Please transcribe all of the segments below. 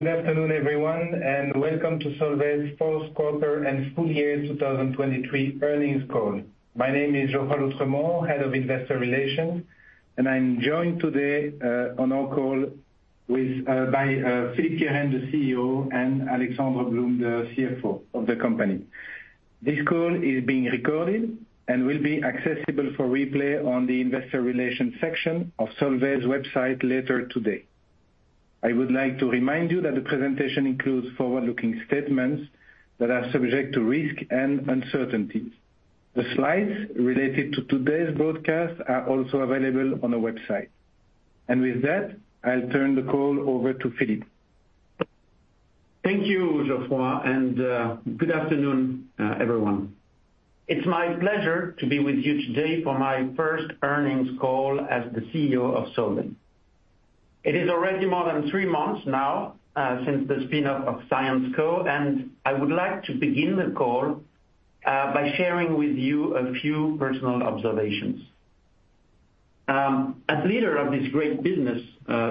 Good afternoon, everyone, and welcome to Solvay's fourth quarter and full year 2023 earnings call. My name is Geoffroy d'Oultremont, Head of Investor Relations, and I'm joined today, on our call with, by, Philippe Kehren, the CEO, and Alexandre Blum, the CFO of the company. This call is being recorded and will be accessible for replay on the investor relations section of Solvay's website later today. I would like to remind you that the presentation includes forward-looking statements that are subject to risk and uncertainty. The slides related to today's broadcast are also available on the website. And with that, I'll turn the call over to Philippe. Thank you, Geoffroy, and good afternoon, everyone. It's my pleasure to be with you today for my first earnings call as the CEO of Solvay. It is already more than 3 months now since the spin-off of Syensqo, and I would like to begin the call by sharing with you a few personal observations. As leader of this great business,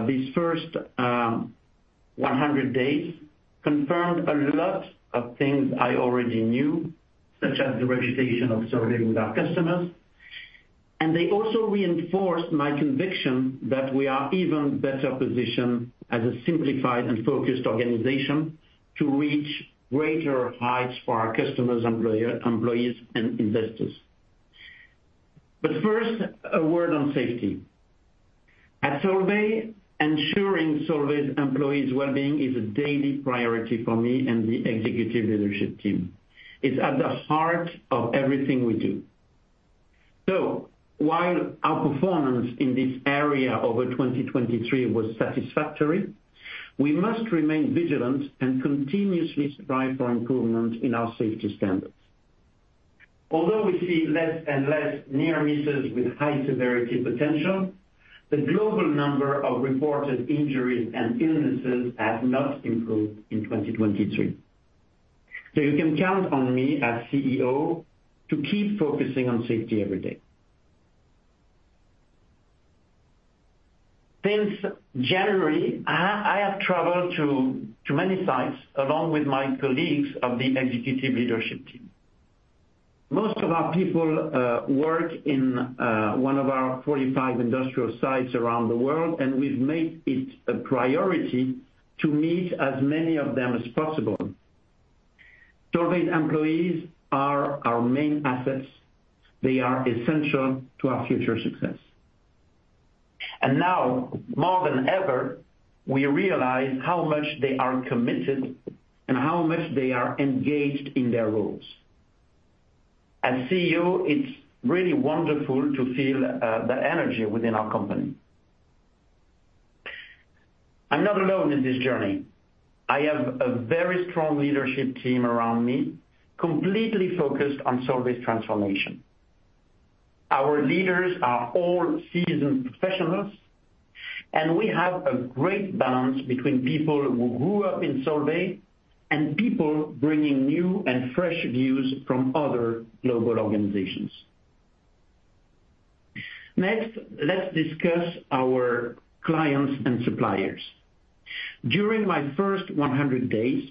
these first 100 days confirmed a lot of things I already knew, such as the reputation of Solvay with our customers, and they also reinforced my conviction that we are even better positioned as a simplified and focused organization to reach greater heights for our customers, employees, and investors. But first, a word on safety. At Solvay, ensuring Solvay's employees' well-being is a daily priority for me and the executive leadership team. It's at the heart of everything we do. So while our performance in this area over 2023 was satisfactory, we must remain vigilant and continuously strive for improvement in our safety standards. Although we see less and less near misses with high severity potential, the global number of reported injuries and illnesses has not improved in 2023. So you can count on me as CEO to keep focusing on safety every day. Since January, I have traveled to many sites along with my colleagues of the executive leadership team. Most of our people work in one of our 45 industrial sites around the world, and we've made it a priority to meet as many of them as possible. Solvay's employees are our main assets. They are essential to our future success. Now, more than ever, we realize how much they are committed and how much they are engaged in their roles. As CEO, it's really wonderful to feel the energy within our company. I'm not alone in this journey. I have a very strong leadership team around me, completely focused on Solvay's transformation. Our leaders are all seasoned professionals, and we have a great balance between people who grew up in Solvay and people bringing new and fresh views from other global organizations. Next, let's discuss our clients and suppliers. During my first 100 days,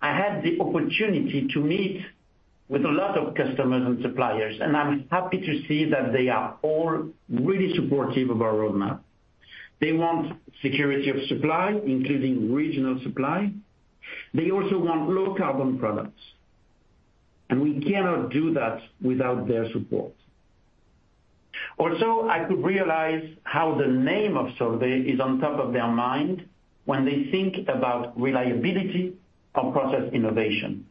I had the opportunity to meet with a lot of customers and suppliers, and I'm happy to see that they are all really supportive of our roadmap. They want security of supply, including regional supply. They also want low carbon products, and we cannot do that without their support. Also, I could realize how the name of Solvay is on top of their mind when they think about reliability or process innovation.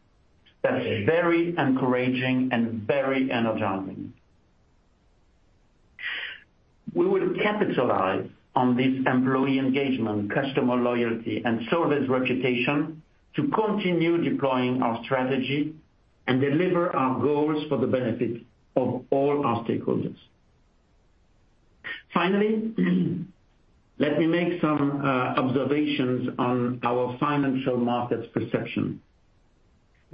That's very encouraging and very energizing. We will capitalize on this employee engagement, customer loyalty, and Solvay's reputation to continue deploying our strategy and deliver our goals for the benefit of all our stakeholders. Finally, let me make some observations on our financial markets perception.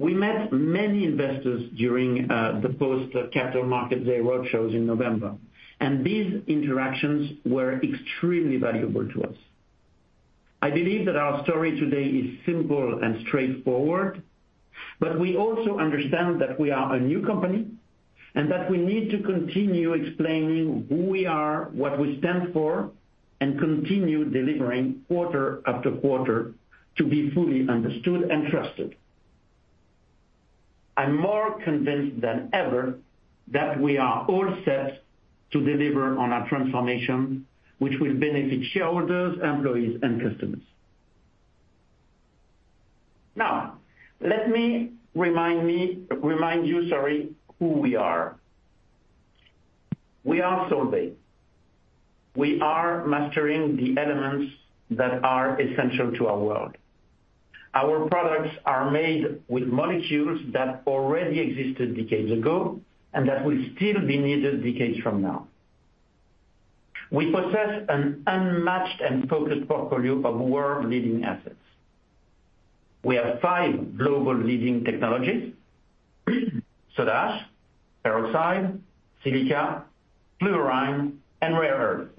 We met many investors during the post-Capital Markets Day roadshows in November, and these interactions were extremely valuable to us. I believe that our story today is simple and straightforward, but we also understand that we are a new company, and that we need to continue explaining who we are, what we stand for, and continue delivering quarter after quarter to be fully understood and trusted. I'm more convinced than ever that we are all set to deliver on our transformation, which will benefit shareholders, employees, and customers. Now, let me remind you, sorry, who we are. We are Solvay. We are mastering the elements that are essential to our world. Our products are made with molecules that already existed decades ago and that will still be needed decades from now. We possess an unmatched and focused portfolio of world-leading assets. We have five global leading technologies: soda ash, peroxide, silica, fluorine, and rare earths.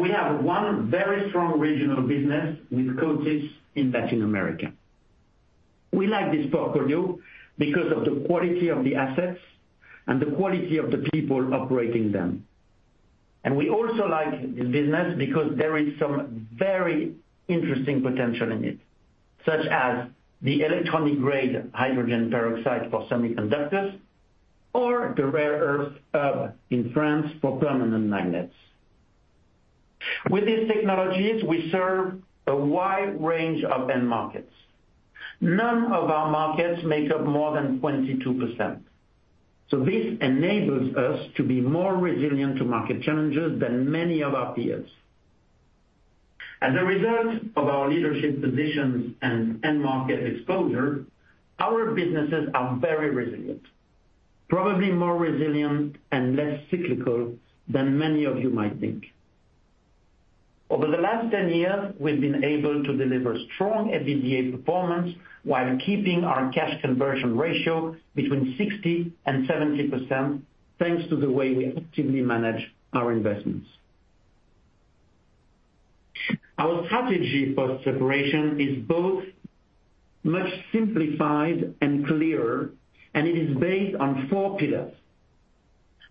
We have one very strong regional business with Coatis in Latin America. We like this portfolio because of the quality of the assets and the quality of the people operating them. We also like this business because there is some very interesting potential in it, such as the electronic-grade hydrogen peroxide for semiconductors or the rare earth in France for permanent magnets. With these technologies, we serve a wide range of end markets. None of our markets make up more than 22%, so this enables us to be more resilient to market challenges than many of our peers. As a result of our leadership positions and end market exposure, our businesses are very resilient, probably more resilient and less cyclical than many of you might think. Over the last 10 years, we've been able to deliver strong EBITDA performance while keeping our cash conversion ratio between 60% and 70%, thanks to the way we actively manage our investments. Our strategy for separation is both much simplified and clearer, and it is based on four pillars.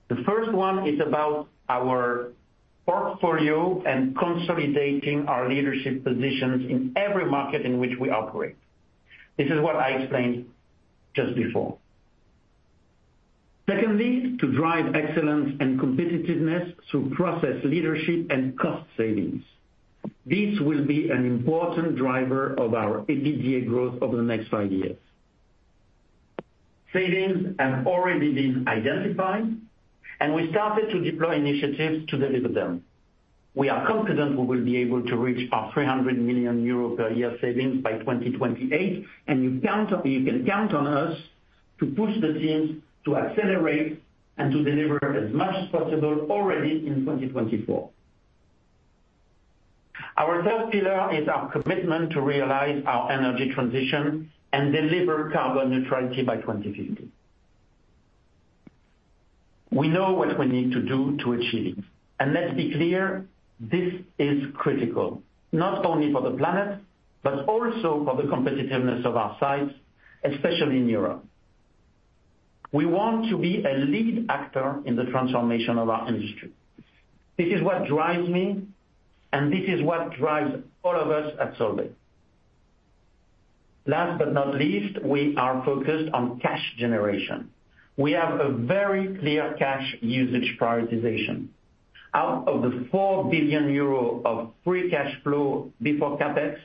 The first one is about our portfolio and consolidating our leadership positions in every market in which we operate. This is what I explained just before. Secondly, to drive excellence and competitiveness through process leadership and cost savings. This will be an important driver of our EBITDA growth over the next five years. Savings have already been identified, and we started to deploy initiatives to deliver them. We are confident we will be able to reach our 300 million euro per year savings by 2028, and you count on- you can count on us to push the teams to accelerate and to deliver as much as possible already in 2024. Our third pillar is our commitment to realize our energy transition and deliver carbon neutrality by 2050. We know what we need to do to achieve it. And let's be clear, this is critical, not only for the planet, but also for the competitiveness of our sites, especially in Europe. We want to be a lead actor in the transformation of our industry. This is what drives me, and this is what drives all of us at Solvay. Last but not least, we are focused on cash generation. We have a very clear cash usage prioritization. Out of the 4 billion euro of free cash flow before CapEx,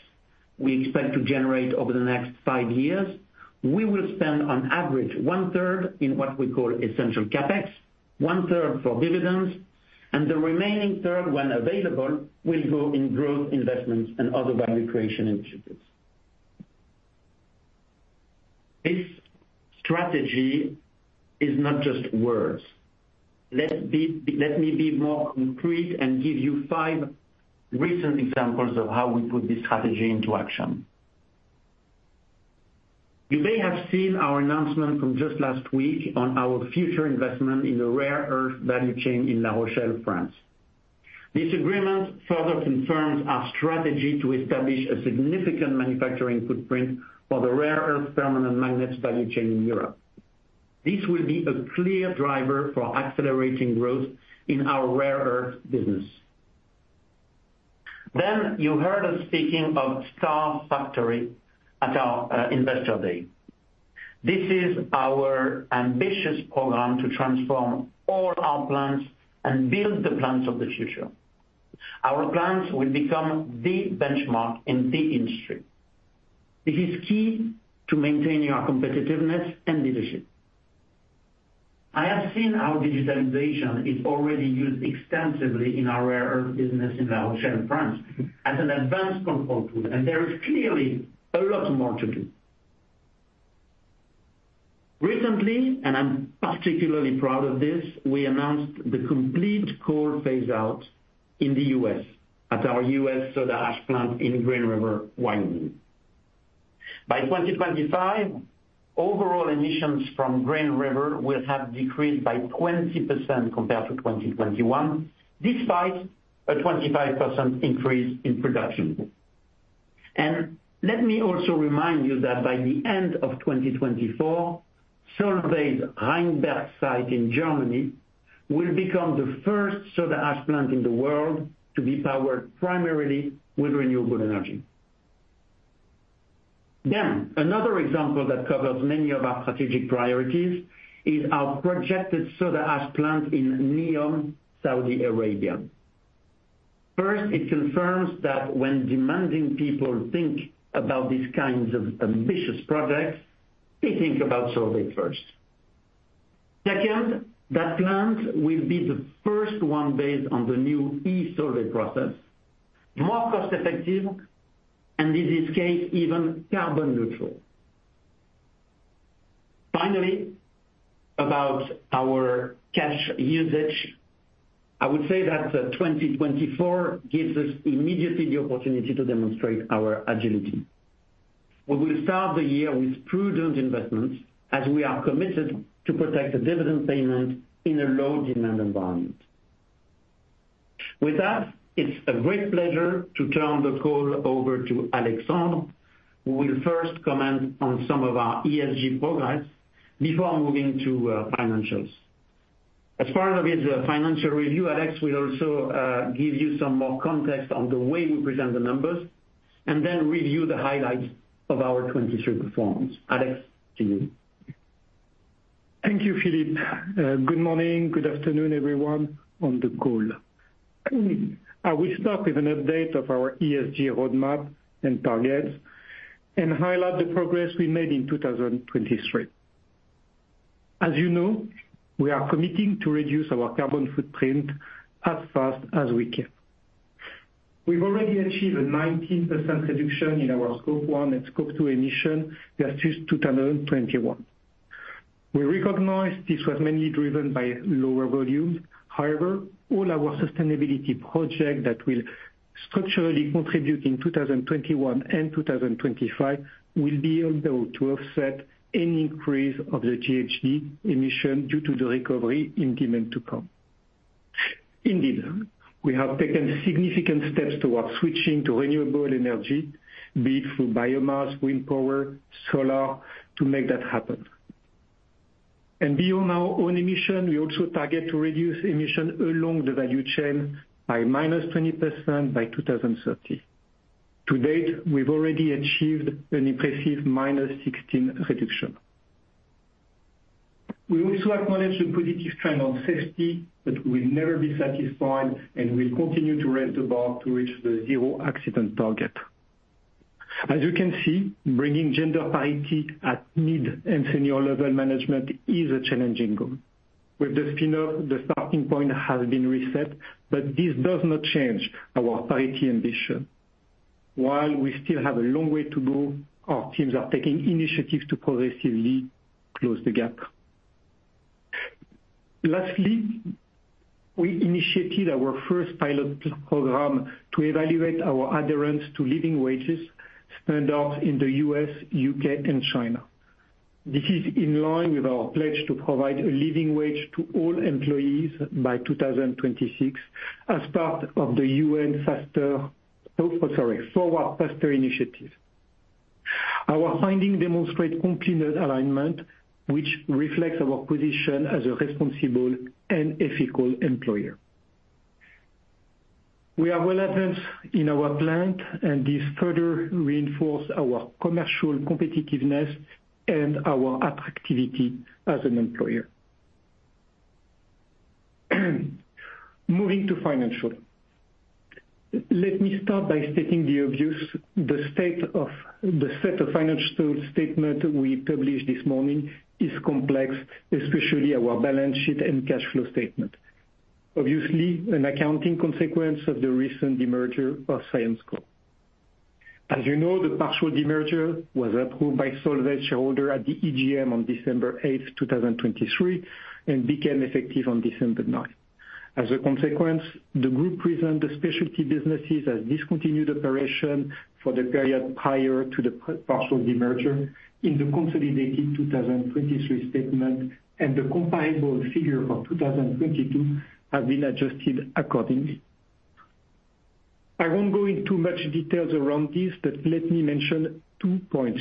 we expect to generate over the next five years, we will spend on average one third in what we call essential CapEx, one third for dividends, and the remaining third, when available, will go in growth investments and other value creation initiatives. This strategy is not just words. Let me be more concrete and give you five recent examples of how we put this strategy into action. You may have seen our announcement from just last week on our future investment in the rare earth value chain in La Rochelle, France. This agreement further confirms our strategy to establish a significant manufacturing footprint for the rare earth permanent magnets value chain in Europe. This will be a clear driver for accelerating growth in our rare earth business. Then you heard us speaking of Star Factory at our investor day. This is our ambitious program to transform all our plants and build the plants of the future. Our plants will become the benchmark in the industry. This is key to maintaining our competitiveness and leadership. I have seen how digitalization is already used extensively in our rare earth business in La Rochelle, France, as an advanced control tool, and there is clearly a lot more to do. Recently, and I'm particularly proud of this, we announced the complete coal phase out in the US at our US soda ash plant in Green River, Wyoming. By 2025, overall emissions from Green River will have decreased by 20% compared to 2021, despite a 25% increase in production. Let me also remind you that by the end of 2024, Solvay's Rheinberg site in Germany will become the first soda ash plant in the world to be powered primarily with renewable energy. Another example that covers many of our strategic priorities is our projected soda ash plant in Neom, Saudi Arabia. First, it confirms that when demanding people think about these kinds of ambitious projects, they think about Solvay first. Second, that plant will be the first one based on the new e-Solvay process, more cost effective, and in this case, even carbon neutral.... Finally, about our cash usage, I would say that, 2024 gives us immediately the opportunity to demonstrate our agility. We will start the year with prudent investments, as we are committed to protect the dividend payment in a low demand environment. With that, it's a great pleasure to turn the call over to Alexandre, who will first comment on some of our ESG progress before moving to, financials. As part of his financial review, Alex will also, give you some more context on the way we present the numbers, and then review the highlights of our 2023 performance. Alex, to you. Thank you, Philippe. Good morning, good afternoon, everyone on the call. I will start with an update of our ESG roadmap and targets, and highlight the progress we made in 2023. As you know, we are committing to reduce our carbon footprint as fast as we can. We've already achieved a 19% reduction in our Scope 1 and Scope 2 emissions versus 2021. We recognize this was mainly driven by lower volumes; however, all our sustainability projects that will structurally contribute in 2021 and 2025 will be able to offset any increase of the GHG emissions due to the recovery in demand to come. Indeed, we have taken significant steps towards switching to renewable energy, be it through biomass, wind power, solar, to make that happen. Beyond our own emission, we also target to reduce emission along the value chain by -20% by 2030. To date, we've already achieved an impressive -16% reduction. We also acknowledge the positive trend on safety, but we'll never be satisfied, and we'll continue to raise the bar to reach the 0 accident target. As you can see, bringing gender parity at mid and senior level management is a challenging goal. With the spin-off, the starting point has been reset, but this does not change our parity ambition. While we still have a long way to go, our teams are taking initiatives to progressively close the gap. Lastly, we initiated our first pilot program to evaluate our adherence to living wages starting out in the U.S., U.K., and China. This is in line with our pledge to provide a living wage to all employees by 2026, as part of the UN Faster, oh, sorry, Forward Faster initiative. Our findings demonstrate complete alignment, which reflects our position as a responsible and ethical employer. We are well advanced in our plan, and this further reinforce our commercial competitiveness and our attractivity as an employer. Moving to financial. Let me start by stating the obvious, the set of financial statement we published this morning is complex, especially our balance sheet and cash flow statement. Obviously, an accounting consequence of the recent demerger of Syensqo. As you know, the partial demerger was approved by Solvay shareholder at the EGM on December 8, 2023, and became effective on December 9. As a consequence, the Group presents the specialty businesses as discontinued operations for the period prior to the partial demerger in the consolidated 2023 statement, and the comparable figures for 2022 have been adjusted accordingly. I won't go into much detail around this, but let me mention two points.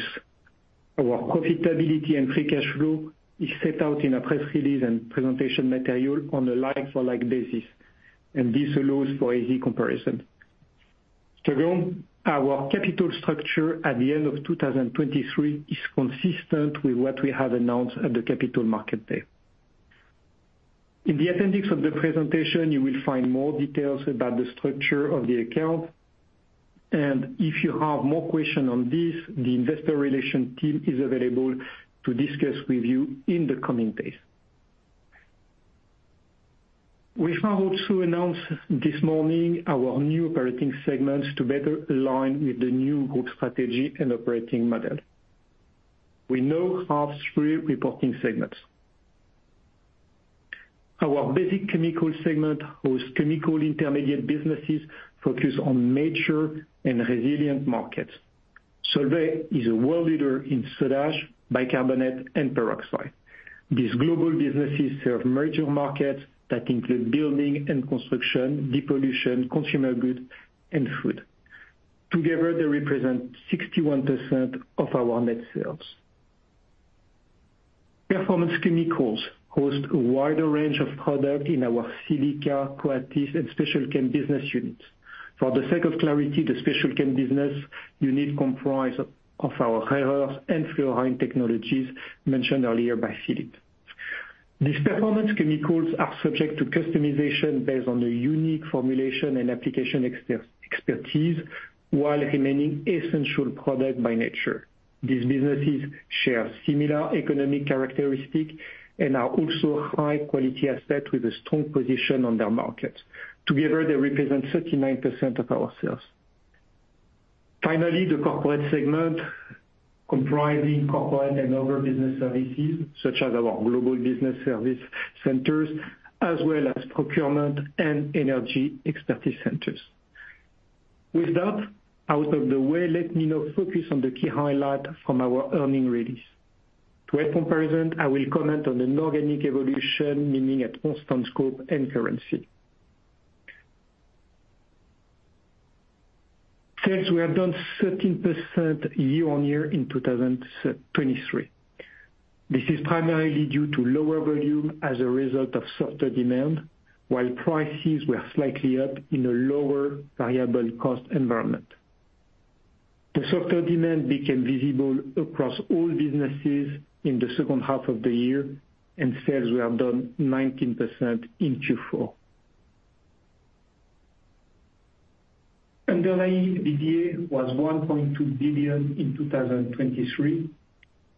Our profitability and free cash flow are set out in a press release and presentation material on a like-for-like basis, and this allows for easy comparison. Second, our capital structure at the end of 2023 is consistent with what we have announced at the Capital Markets Day. In the appendix of the presentation, you will find more details about the structure of the accounts, and if you have more questions on this, the Investor Relations team is available to discuss with you in the coming days. We have also announced this morning our new operating segments to better align with the new group strategy and operating model. We now have three reporting segments. Our Basic Chemicals segment hosts chemical intermediate businesses focused on major and resilient markets. Solvay is a world leader in soda ash, bicarbonate, and peroxide. These global businesses serve major markets that include building and construction, depollution, consumer goods, and food. Together, they represent 61% of our net sales. Performance Chemicals hosts a wider range of products in our Silica, Coatis, and Special Chem business units. For the sake of clarity, the Special Chem business unit comprise of our Rare Earths and Fluorine technologies mentioned earlier by Philippe. These performance chemicals are subject to customization based on the unique formulation and application expertise, while remaining essential product by nature. These businesses share similar economic characteristics and are also high quality assets with a strong position in their markets. Together, they represent 39% of our sales.... Finally, the corporate segment, comprising corporate and other business services, such as our global business service centers, as well as procurement and energy expertise centers. With that out of the way, let me now focus on the key highlights from our earnings release. To have comparison, I will comment on an organic evolution, meaning at constant scope and currency. Sales were down 13% year-on-year in 2023. This is primarily due to lower volume as a result of softer demand, while prices were slightly up in a lower variable cost environment. The softer demand became visible across all businesses in the second half of the year, and sales were down 19% in Q4. Underlying EBITDA was 1.2 billion in 2023,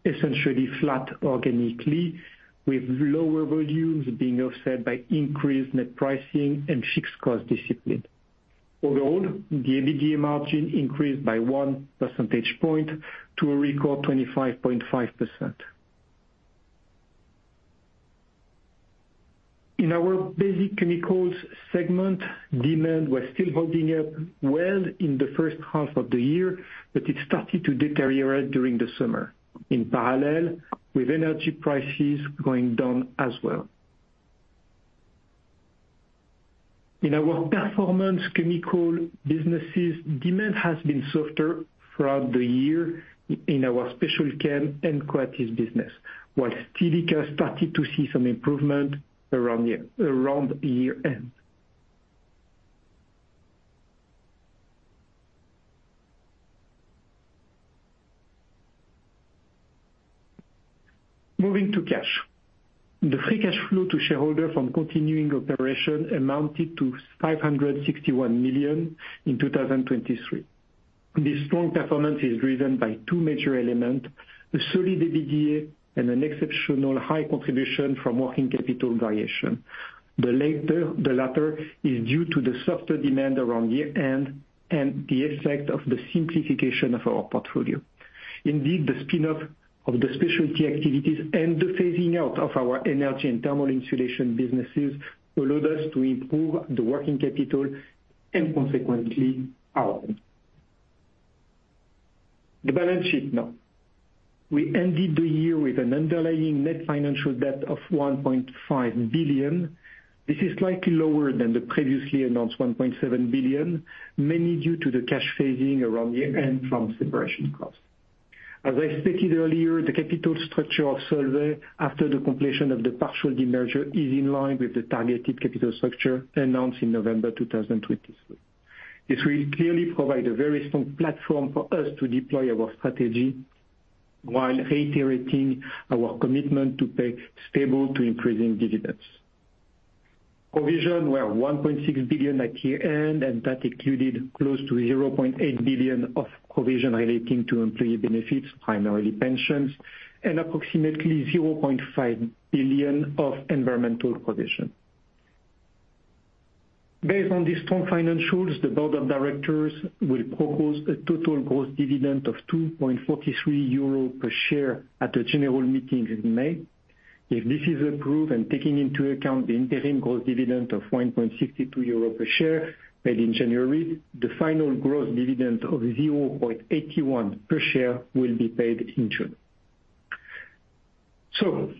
essentially flat organically, with lower volumes being offset by increased net pricing and fixed cost discipline. Overall, the EBITDA margin increased by 1 percentage point to a record 25.5%. In our Basic Chemicals segment, demand was still holding up well in the first half of the year, but it started to deteriorate during the summer, in parallel with energy prices going down as well. In our Performance Chemical businesses, demand has been softer throughout the year in our Special Chem and Quaalis business, while Silica started to see some improvement around year-end. Moving to cash. The free cash flow to shareholder from continuing operation amounted to 561 million in 2023. This strong performance is driven by two major elements: a solid EBITDA and an exceptional high contribution from working capital variation. The latter is due to the softer demand around year-end and the effect of the simplification of our portfolio. Indeed, the spin-off of the specialty activities and the phasing out of our energy and thermal insulation businesses allowed us to improve the working capital and consequently, outcome. The balance sheet now. We ended the year with an underlying net financial debt of 1.5 billion. This is slightly lower than the previously announced 1.7 billion, mainly due to the cash phasing around year-end from separation costs. As I stated earlier, the capital structure of Solvay after the completion of the partial demerger is in line with the targeted capital structure announced in November 2023. This will clearly provide a very strong platform for us to deploy our strategy, while reiterating our commitment to pay stable to increasing dividends. Provisions were 1.6 billion at year-end, and that included close to 0.8 billion of provision relating to employee benefits, primarily pensions, and approximately 0.5 billion of environmental provision. Based on these strong financials, the board of directors will propose a total gross dividend of 2.43 euro per share at the general meeting in May. If this is approved, and taking into account the interim gross dividend of 1.62 euro per share paid in January, the final gross dividend of 0.81 per share will be paid in June. So,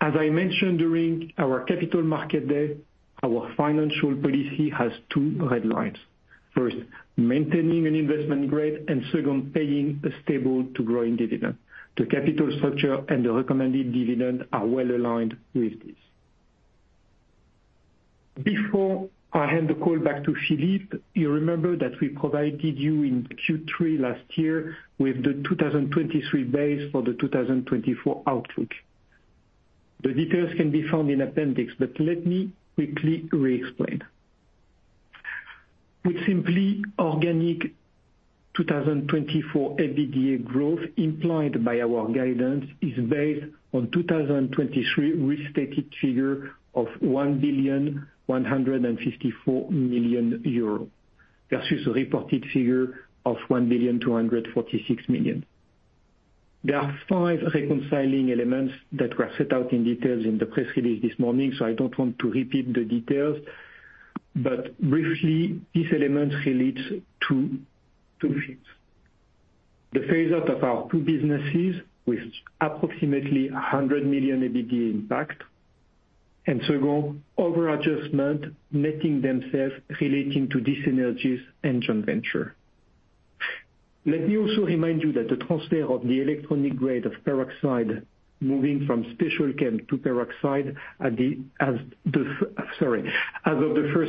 as I mentioned during our Capital Markets Day, our financial policy has two red lines. First, maintaining an investment grade, and second, paying a stable to growing dividend. The capital structure and the recommended dividend are well aligned with this. Before I hand the call back to Philippe, you remember that we provided you in Q3 last year with the 2023 base for the 2024 outlook. The details can be found in appendix, but let me quickly re-explain. With simply organic 2024 EBITDA growth implied by our guidance is based on 2023 restated figure of 1,154 million euro, versus a reported figure of 1,246 million. There are five reconciling elements that were set out in details in the press release this morning, so I don't want to repeat the details. But briefly, these elements relate to two things: the phase-out of our two businesses with approximately 100 million EBITDA impact, and second, over-adjustments mainly relating to dis-synergies and joint ventures. Let me also remind you that the transfer of the electronic-grade peroxide moving from Special Chem to Peroxides as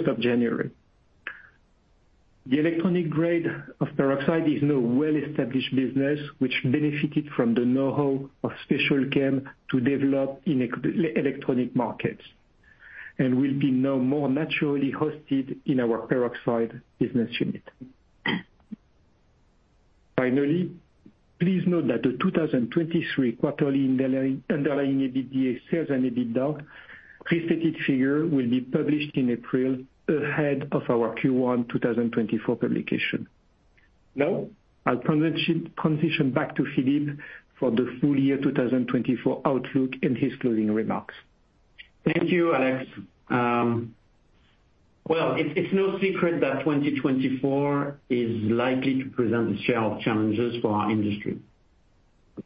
of January 1. The electronic-grade peroxide is now a well-established business, which benefited from the know-how of Special Chem to develop in electronic markets, and will now be more naturally hosted in our Peroxides business unit. Finally, please note that the 2023 quarterly underlying EBITDA sales and EBITDA restated figure will be published in April ahead of our Q1 2024 publication. Now, I'll transition back to Philippe for the full-year 2024 outlook and his closing remarks. Thank you, Alex. Well, it's no secret that 2024 is likely to present a share of challenges for our industry.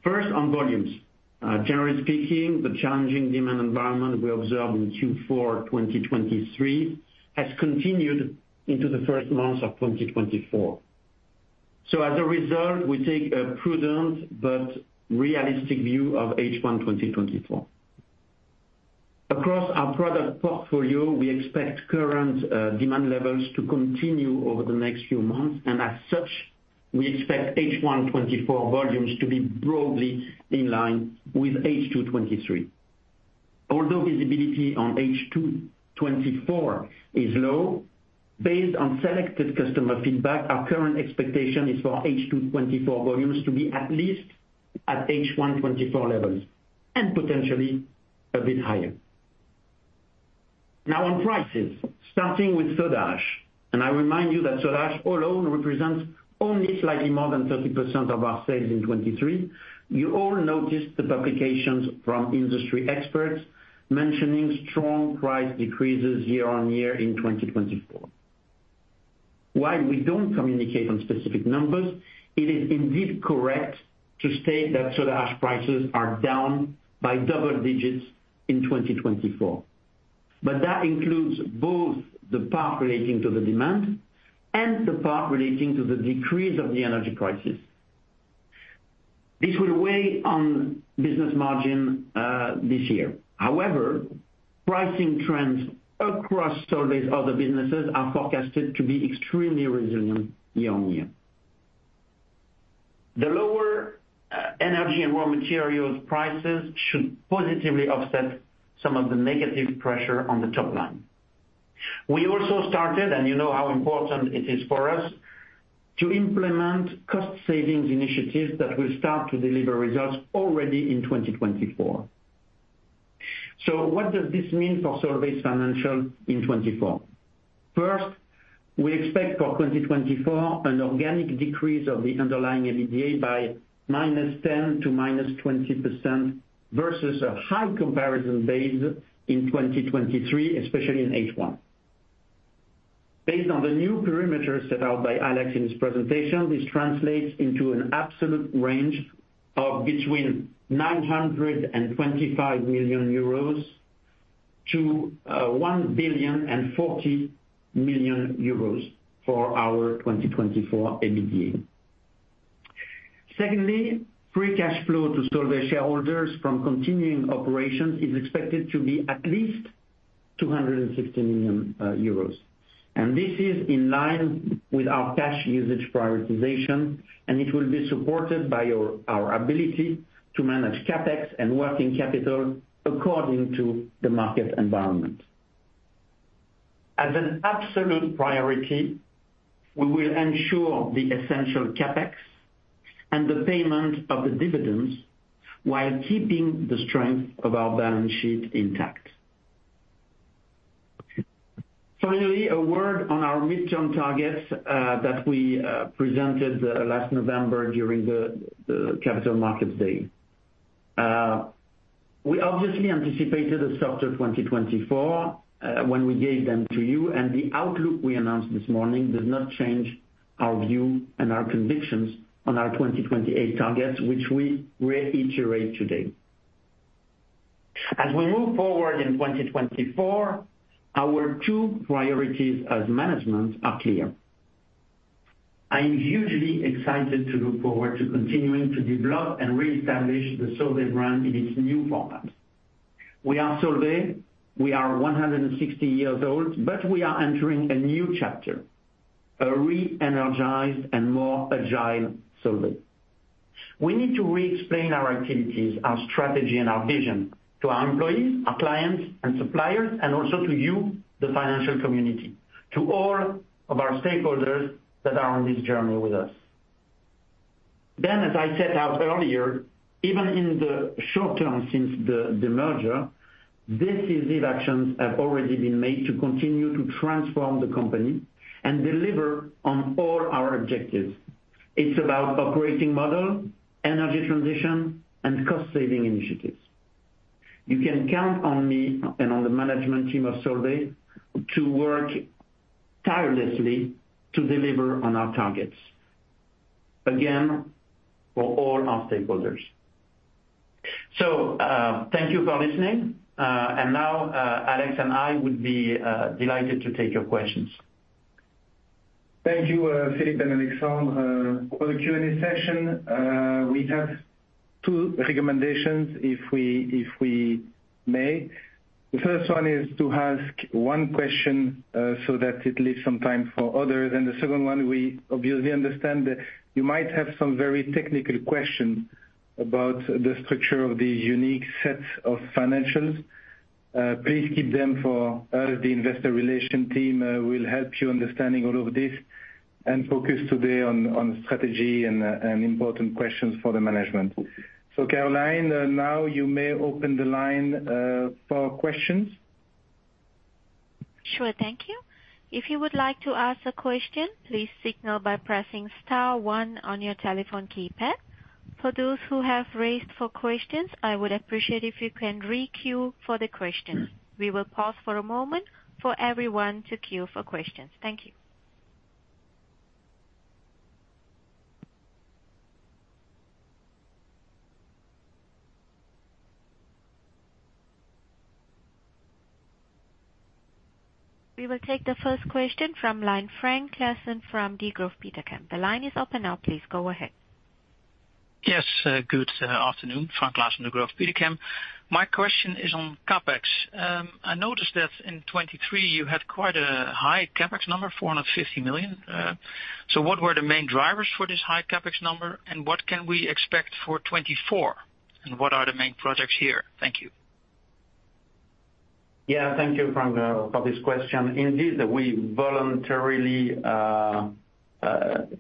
First, on volumes. Generally speaking, the challenging demand environment we observed in Q4 2023 has continued into the first months of 2024. So as a result, we take a prudent but realistic view of H1 2024. Across our product portfolio, we expect current demand levels to continue over the next few months, and as such, we expect H1 2024 volumes to be broadly in line with H2 2023. Although visibility on H2 2024 is low, based on selected customer feedback, our current expectation is for H2 2024 volumes to be at least at H1 2024 levels, and potentially a bit higher. Now, on prices, starting with soda ash, and I remind you that soda ash alone represents only slightly more than 30% of our sales in 2023. You all noticed the publications from industry experts mentioning strong price decreases year-on-year in 2024. While we don't communicate on specific numbers, it is indeed correct to state that soda ash prices are down by double digits in 2024. But that includes both the part relating to the demand and the part relating to the decrease of the energy crisis. This will weigh on business margin this year. However, pricing trends across Solvay's other businesses are forecasted to be extremely resilient year-on-year. The lower energy and raw materials prices should positively offset some of the negative pressure on the top line. We also started, and you know how important it is for us, to implement cost savings initiatives that will start to deliver results already in 2024. So what does this mean for Solvay's financials in 2024? First, we expect for 2024 an organic decrease of the underlying EBITDA by -10% to -20% versus a high comparison base in 2023, especially in H1. Based on the new parameters set out by Alex in his presentation, this translates into an absolute range of between 925 million euros to 1,040 million euros for our 2024 EBITDA. Secondly, free cash flow to Solvay shareholders from continuing operations is expected to be at least 260 million euros. This is in line with our cash usage prioritization, and it will be supported by our ability to manage CapEx and working capital according to the market environment. As an absolute priority, we will ensure the essential CapEx and the payment of the dividends while keeping the strength of our balance sheet intact. Finally, a word on our midterm targets that we presented last November during the Capital Markets Day. We obviously anticipated a softer 2024 when we gave them to you, and the outlook we announced this morning does not change our view and our convictions on our 2028 targets, which we reiterate today. As we move forward in 2024, our two priorities as management are clear. I'm hugely excited to look forward to continuing to develop and reestablish the Solvay brand in its new format. We are Solvay, we are 160 years old, but we are entering a new chapter, a re-energized and more agile Solvay. We need to re-explain our activities, our strategy, and our vision to our employees, our clients, and suppliers, and also to you, the financial community, to all of our stakeholders that are on this journey with us. Then, as I set out earlier, even in the short term, since the merger, decisive actions have already been made to continue to transform the company and deliver on all our objectives. It's about operating model, energy transition, and cost saving initiatives. You can count on me and on the management team of Solvay to work tirelessly to deliver on our targets, again, for all our stakeholders. So, thank you for listening. And now, Alex and I would be delighted to take your questions. Thank you, Philippe and Alexandre. For the Q&A session, we have two recommendations, if we may. The first one is to ask one question, so that it leaves some time for others. And the second one, we obviously understand that you might have some very technical questions about the structure of the unique set of financials. ... Please keep them for us, the Investor Relations team will help you understanding all of this and focus today on, on strategy and, and important questions for the management. So Caroline, now you may open the line for questions. Sure. Thank you. If you would like to ask a question, please signal by pressing star one on your telephone keypad. For those who have raised for questions, I would appreciate if you can re-queue for the questions. We will pause for a moment for everyone to queue for questions. Thank you. We will take the first question from line, Frank Claassen from Degroof Petercam. The line is open now, please go ahead. Yes, good afternoon. Frank Claassen, Degroof Petercam. My question is on CapEx. I noticed that in 2023 you had quite a high CapEx number, 450 million. So what were the main drivers for this high CapEx number, and what can we expect for 2024? And what are the main projects here? Thank you. Yeah, thank you, Frank, for this question. Indeed, we voluntarily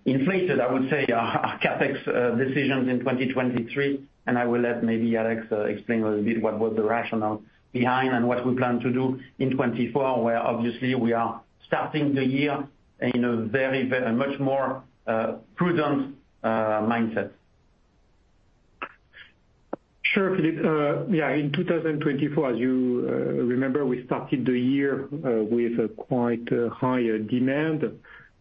inflated, I would say, our CapEx decisions in 2023, and I will let maybe Alex explain a little bit what was the rationale behind and what we plan to do in 2024, where obviously we are starting the year in a very, very a much more prudent mindset. Sure, Philippe. Yeah, in 2024, as you remember, we started the year with a quite higher demand,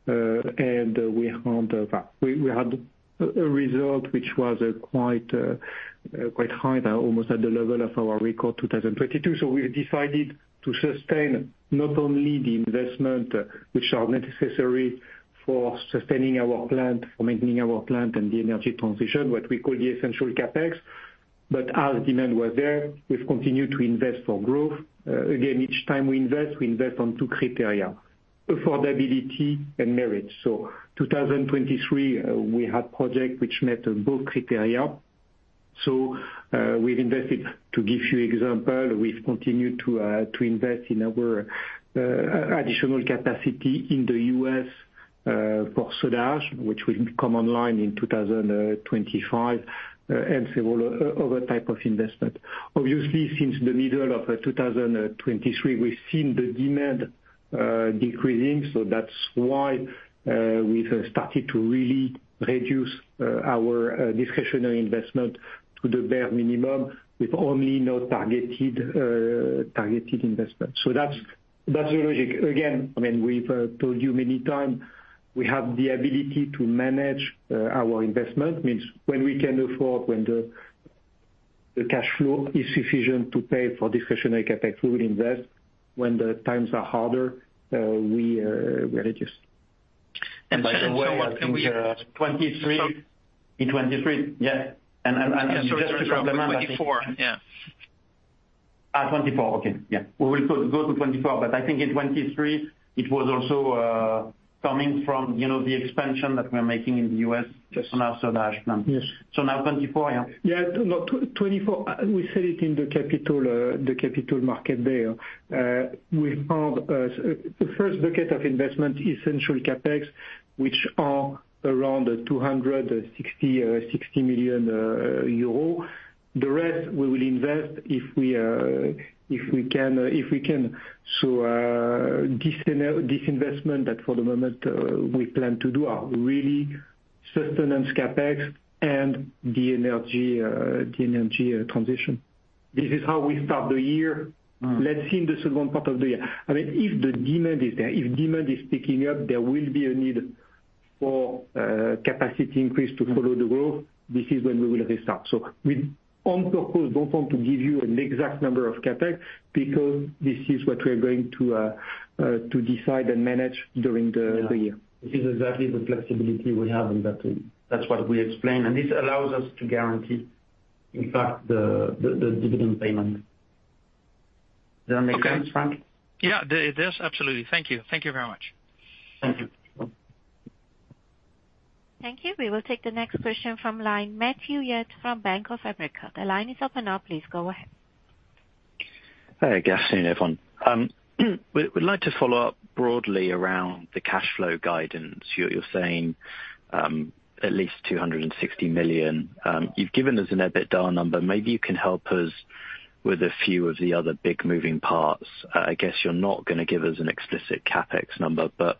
and we had a result which was quite quite high, now almost at the level of our record 2022. So we decided to sustain not only the investment which are necessary for sustaining our plant, for maintaining our plant and the energy transition, what we call the Essential CapEx. But as demand was there, we've continued to invest for growth. Again, each time we invest, we invest on two criteria, affordability and merit. So 2023, we had project which met both criteria. So, we've invested... To give you example, we've continued to invest in our additional capacity in the U.S. for soda ash, which will come online in 2025, and several other type of investment. Obviously, since the middle of 2023, we've seen the demand decreasing, so that's why we've started to really reduce our discretionary investment to the bare minimum, with only targeted investment. So that's the logic. Again, I mean, we've told you many time, we have the ability to manage our investment. Means when we can afford, when the cash flow is sufficient to pay for discretionary CapEx, we will invest. When the times are harder, we reduce. By the way, I think 2023, in 2023, yeah, and just to complement- Twenty-four, yeah. 2024, okay, yeah. We will go to 2024, but I think in 2023, it was also coming from, you know, the expansion that we're making in the US- Yes. On our soda ash plant. Yes. Now 2024, yeah. Yeah, no, 2024, we said it in the Capital Markets Day. We found the first bucket of investment, Essential CapEx, which are around 260 million euros. The rest we will invest if we can, if we can. So, this, this investment that for the moment we plan to do are really sustaining CapEx and the energy transition. This is how we start the year. Mm. Let's see in the second part of the year. I mean, if the demand is there, if demand is picking up, there will be a need for capacity increase to follow the growth. This is when we will restart. So we on purpose don't want to give you an exact number of CapEx, because this is what we are going to decide and manage during the year. Yeah. This is exactly the flexibility we have, and that, that's what we explained, and this allows us to guarantee, in fact, the dividend payment. Does that make sense, Frank? Yeah, it does, absolutely. Thank you. Thank you very much. Thank you. Thank you. We will take the next question from line, Matthew Yates from Bank of America. The line is open now, please go ahead. Hey, good afternoon, everyone. We'd like to follow up broadly around the cash flow guidance. You're saying at least 260 million. You've given us an EBITDA number. Maybe you can help us with a few of the other big moving parts. I guess you're not gonna give us an explicit CapEx number, but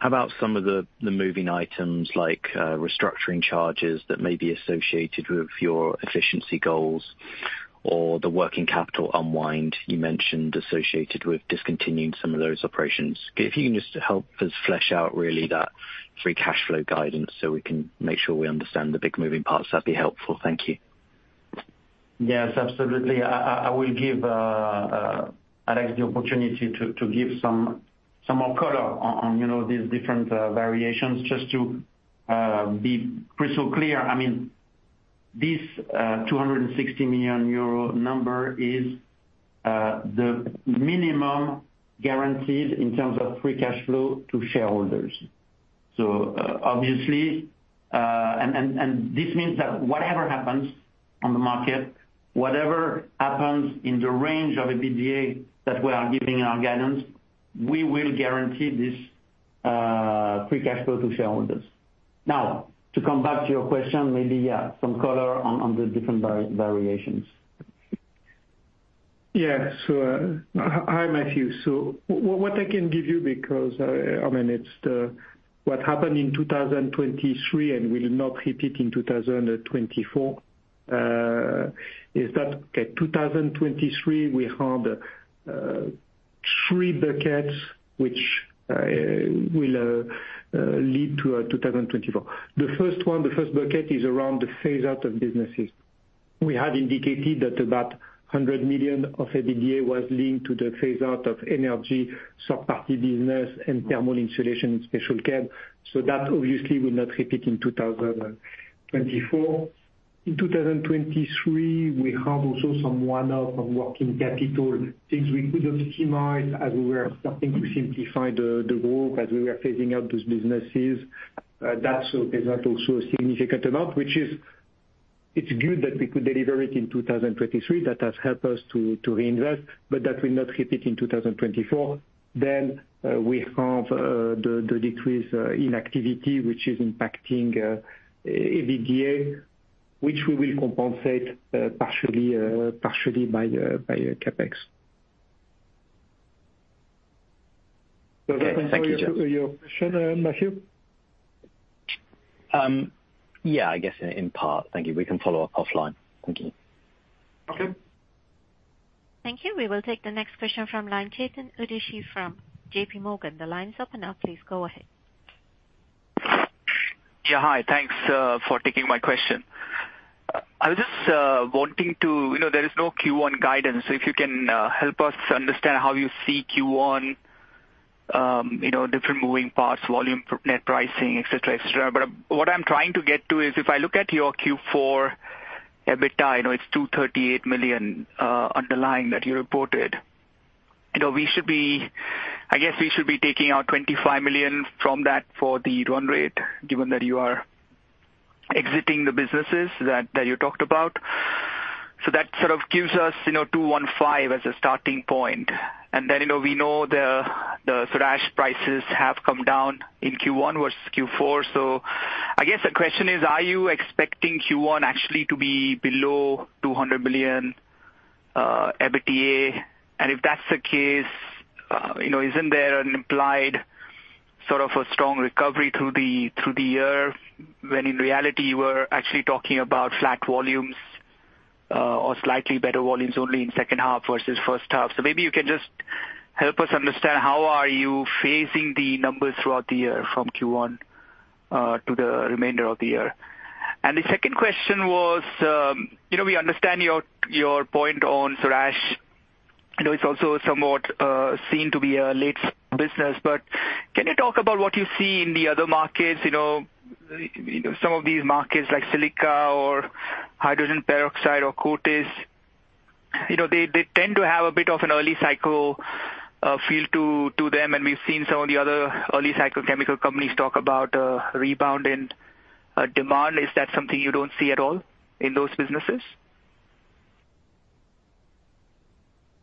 how about some of the moving items like restructuring charges that may be associated with your efficiency goals, or the working capital unwind you mentioned associated with discontinuing some of those operations? If you can just help us flesh out really that free cash flow guidance, so we can make sure we understand the big moving parts, that'd be helpful. Thank you. Yes, absolutely. I will give Alex the opportunity to give some more color on, you know, these different variations. Just to be crystal clear, I mean, this 260 million euro number is the minimum guaranteed in terms of free cash flow to shareholders.... So, obviously, and this means that whatever happens on the market, whatever happens in the range of the EBITDA that we are giving our guidance, we will guarantee this free cash flow to shareholders. Now, to come back to your question, maybe, yeah, some color on the different variations. Yes. Hi, Matthew. So what I can give you, because, I mean, it's the what happened in 2023, and we'll not repeat it in 2024, is that, okay, 2023, we had three buckets which will lead to 2024. The first one, the first bucket, is around the phase out of businesses. We had indicated that about 100 million of EBITDA was linked to the phase out of energy, third-party business and thermal insulation Special Chem. So that obviously will not repeat in 2024. In 2023, we have also some one-off on working capital, things we could optimize as we were starting to simplify the, the group, as we were phasing out those businesses. That is not also a significant amount, which is—it's good that we could deliver it in 2023. That has helped us to reinvest, but that will not hit it in 2024. Then, we have the decrease in activity, which is impacting EBITDA, which we will compensate partially by CapEx. Okay, thank you, George. Does that answer your question, Matthew? Yeah, I guess in part. Thank you. We can follow up offline. Thank you. Okay. Thank you. We will take the next question from line, Chetan Udashi from JP Morgan. The line is open now, please go ahead. Yeah, hi. Thanks for taking my question. I was just wanting to. You know, there is no Q1 guidance, so if you can help us understand how you see Q1, you know, different moving parts, volume, net pricing, et cetera, et cetera. But what I'm trying to get to is, if I look at your Q4 EBITDA, I know it's 238 million underlying that you reported. You know, we should be, I guess we should be taking out 25 million from that for the run rate, given that you are exiting the businesses that you talked about. So that sort of gives us, you know, 215 as a starting point. And then, you know, we know the soda ash prices have come down in Q1 versus Q4. So I guess the question is: Are you expecting Q1 actually to be below 200 million EBITDA? And if that's the case, you know, isn't there an implied, sort of, a strong recovery through the year, when in reality, you were actually talking about flat volumes, or slightly better volumes only in second half versus first half? So maybe you can just help us understand how are you phasing the numbers throughout the year from Q1 to the remainder of the year. And the second question was, you know, we understand your point on soda ash. I know it's also somewhat seen to be a late business, but can you talk about what you see in the other markets? You know, some of these markets, like silica or hydrogen peroxide or Coatis. You know, they, they tend to have a bit of an early cycle feel to, to them, and we've seen some of the other early cycle chemical companies talk about a rebound in demand. Is that something you don't see at all in those businesses?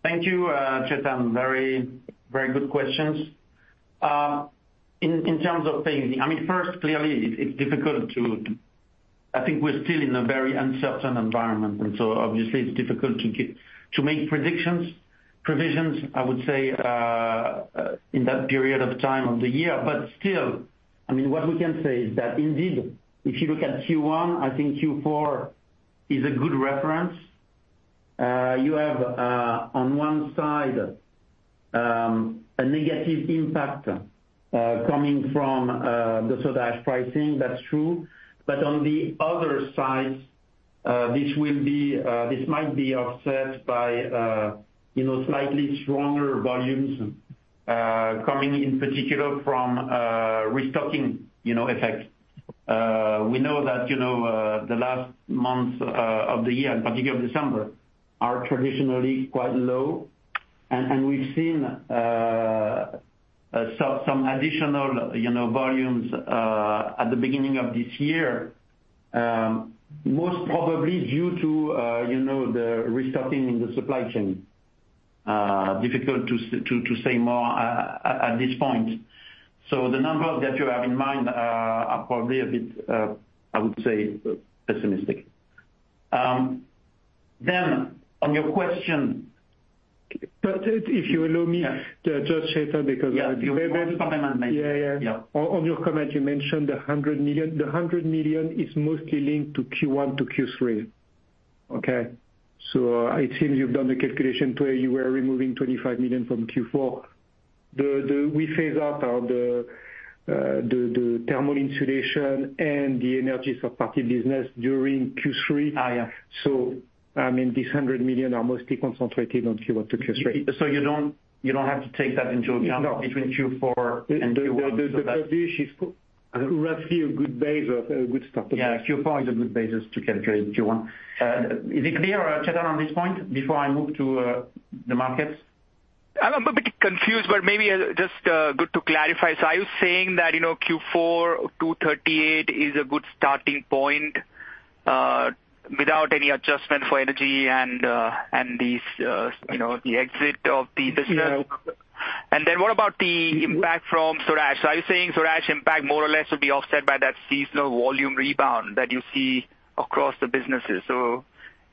Thank you, Chetan. Very, very good questions. In terms of phasing, I mean, first, clearly it's difficult to make predictions, provisions, I would say, in that period of time of the year. But still, I mean, what we can say is that indeed, if you look at Q1, I think Q4 is a good reference. You have, on one side, a negative impact coming from the soda ash pricing. That's true. But on the other side, this will be, this might be offset by, you know, slightly stronger volumes, coming in particular from, restocking, you know, effect. We know that, you know, the last month of the year, in particular December, are traditionally quite low. We've seen some additional, you know, volumes at the beginning of this year, most probably due to, you know, the restocking in the supply chain. Difficult to say more at this point. So the number that you have in mind are probably a bit, I would say, pessimistic. Then on your question- But if you allow me- Yes. To interject, because- Yeah. Yeah, yeah. Yeah. On your comment, you mentioned the 100 million. The 100 million is mostly linked to Q1 to Q3. Okay? So I think you've done the calculation where you were removing 25 million from Q4. We phase out the thermal insulation and the energy third party business during Q3. Ah, yeah. I mean, this 100 million are mostly concentrated on Q1 to Q3. So you don't, you don't have to take that into account- No. between Q4 and Q1. The Q4 is roughly a good base, a good start. Yeah, Q4 is a good basis to calculate Q1. Is it clear, Chetan, on this point, before I move to the markets?... I'm a bit confused, but maybe just good to clarify. So are you saying that, you know, Q4 238 is a good starting point, without any adjustment for energy and and these, you know, the exit of the business? Yeah. What about the impact from soda ash? Are you saying soda ash impact more or less will be offset by that seasonal volume rebound that you see across the businesses?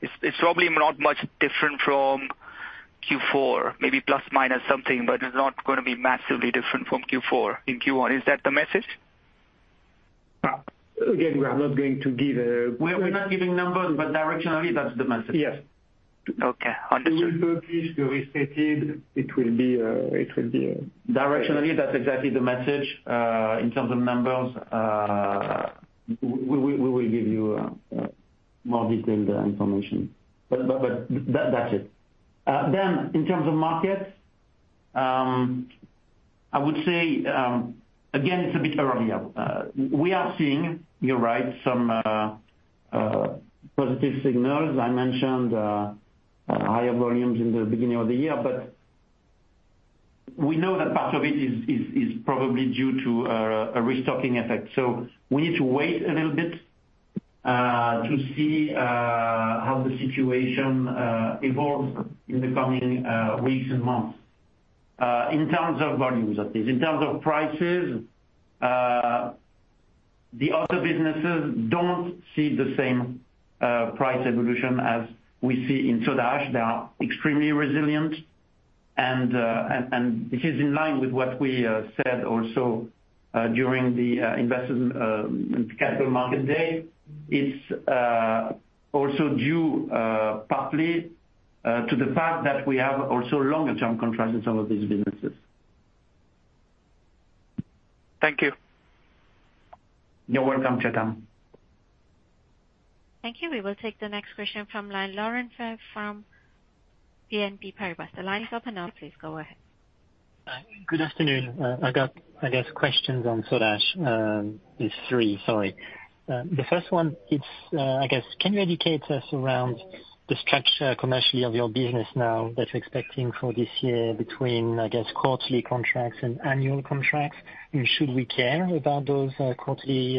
It's, it's probably not much different from Q4, maybe plus minus something, but it's not gonna be massively different from Q4 in Q1. Is that the message? Again, we are not going to give a- We are not giving numbers, but directionally, that's the message. Yes. Okay. Understood. We will publish the restated. It will be. Directionally, that's exactly the message. In terms of numbers, we will give you more detailed information. But that's it. Then in terms of markets, I would say, again, it's a bit early. We are seeing, you're right, some positive signals. I mentioned higher volumes in the beginning of the year, but we know that part of it is probably due to a restocking effect. So we need to wait a little bit to see how the situation evolves in the coming weeks and months, in terms of volumes, that is. In terms of prices, the other businesses don't see the same price evolution as we see in soda ash. They are extremely resilient, and it is in line with what we said also during the Capital Markets Day. It's also due partly to the fact that we have also longer term contracts in some of these businesses. Thank you. You're welcome, Chetan. Thank you. We will take the next question from line, Laurent from BNP Paribas. The line is open now, please go ahead. Hi, good afternoon. I got, I guess, questions on soda ash, it's three, sorry. The first one, it's, I guess, can you educate us around the structure, commercially, of your business now that you're expecting for this year between, I guess, quarterly contracts and annual contracts? And should we care about those, quarterly,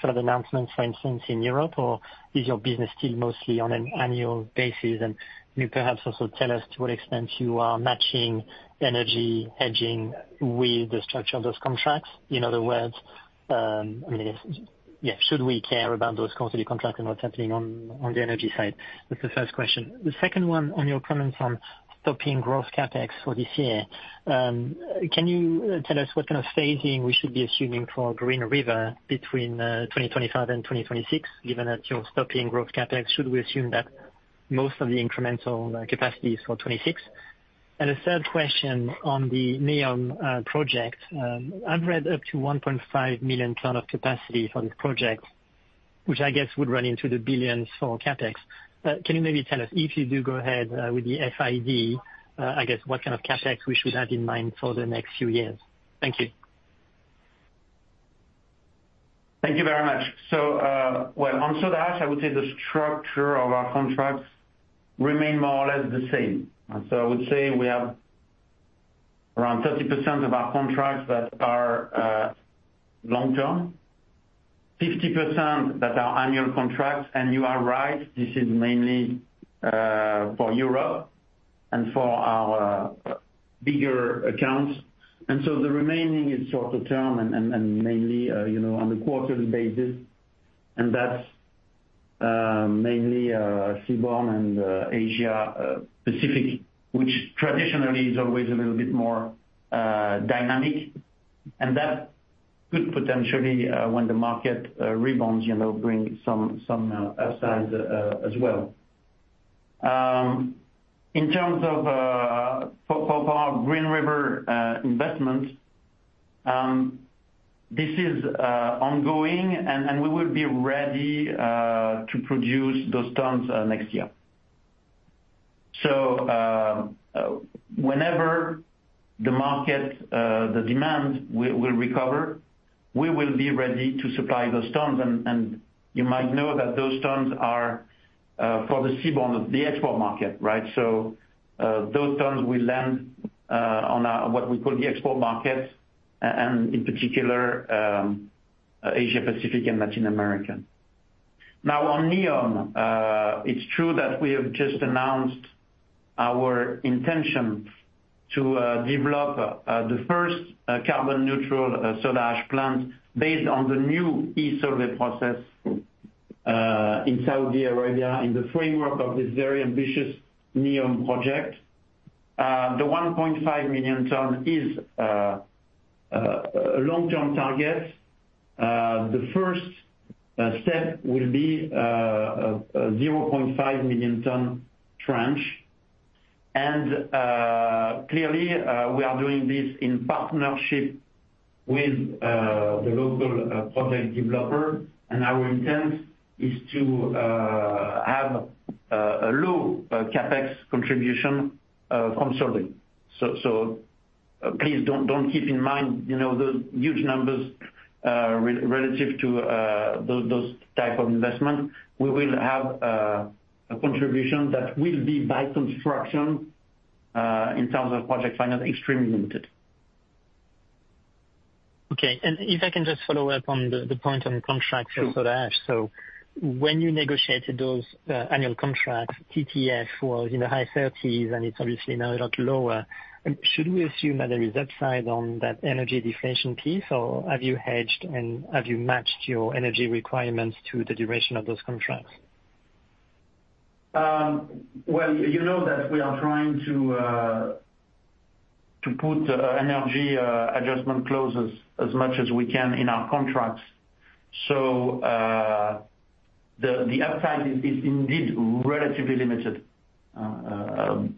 sort of announcements, for instance, in Europe, or is your business still mostly on an annual basis? And can you perhaps also tell us to what extent you are matching energy hedging with the structure of those contracts? In other words, I mean, if yeah, should we care about those quarterly contracts and what's happening on the energy side? That's the first question. The second one, on your comments on stopping growth CapEx for this year, can you tell us what kind of phasing we should be assuming for Green River between 2025 and 2026, given that you're stopping growth CapEx, should we assume that most of the incremental capacity is for 2026? And a third question on the Neom project. I've read up to 1.5 million tons of capacity for this project, which I guess would run into the billions for CapEx. Can you maybe tell us, if you do go ahead with the FID, I guess, what kind of CapEx we should have in mind for the next few years? Thank you. Thank you very much. So, well, on soda ash, I would say the structure of our contracts remain more or less the same. And so I would say we have around 30% of our contracts that are long term, 50% that are annual contracts, and you are right, this is mainly for Europe and for our bigger accounts. And so the remaining is shorter term and mainly, you know, on a quarterly basis, and that's mainly seaborne and Asia Pacific, which traditionally is always a little bit more dynamic. And that could potentially, when the market rebounds, you know, bring some upside as well. In terms of our Green River investment, this is ongoing, and we will be ready to produce those tons next year. So, whenever the market demand will recover, we will be ready to supply those tons. And you might know that those tons are for the seaborne export market, right? So, those tons will land on what we call the export markets, and in particular, Asia-Pacific and Latin America. Now, on NEOM, it's true that we have just announced our intention to develop the first carbon-neutral soda ash plant based on the new e-Solvay process in Saudi Arabia, in the framework of this very ambitious NEOM project. The 1.5 million tons is a long-term target. The first step will be a 0.5 million ton tranche. And clearly, we are doing this in partnership with the local project developer, and our intent is to have a low CapEx contribution from Solvay. So please don't keep in mind, you know, those huge numbers relative to those type of investments. We will have a contribution that will be by construction in terms of project finance, extremely limited. Okay. If I can just follow up on the, the point on contracts for soda ash. So when you negotiated those annual contracts, TTF was in the high thirties, and it's obviously now a lot lower. Should we assume that there is upside on that energy deflation piece, or have you hedged, and have you matched your energy requirements to the duration of those contracts? Well, you know that we are trying to put energy adjustment clauses as much as we can in our contracts. So, the upside is indeed relatively limited. And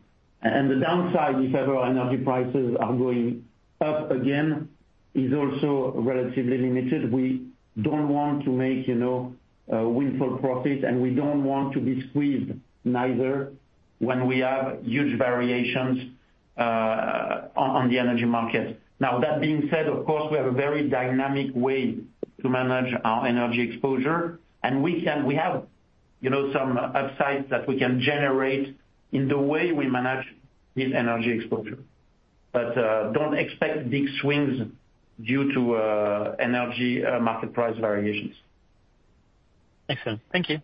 the downside, if ever energy prices are going up again, is also relatively limited. We don't want to make, you know, windfall profit, and we don't want to be squeezed neither, when we have huge variations on the energy market. Now, that being said, of course, we have a very dynamic way to manage our energy exposure, and we can, we have, you know, some upsides that we can generate in the way we manage this energy exposure. But don't expect big swings due to energy market price variations. Excellent. Thank you.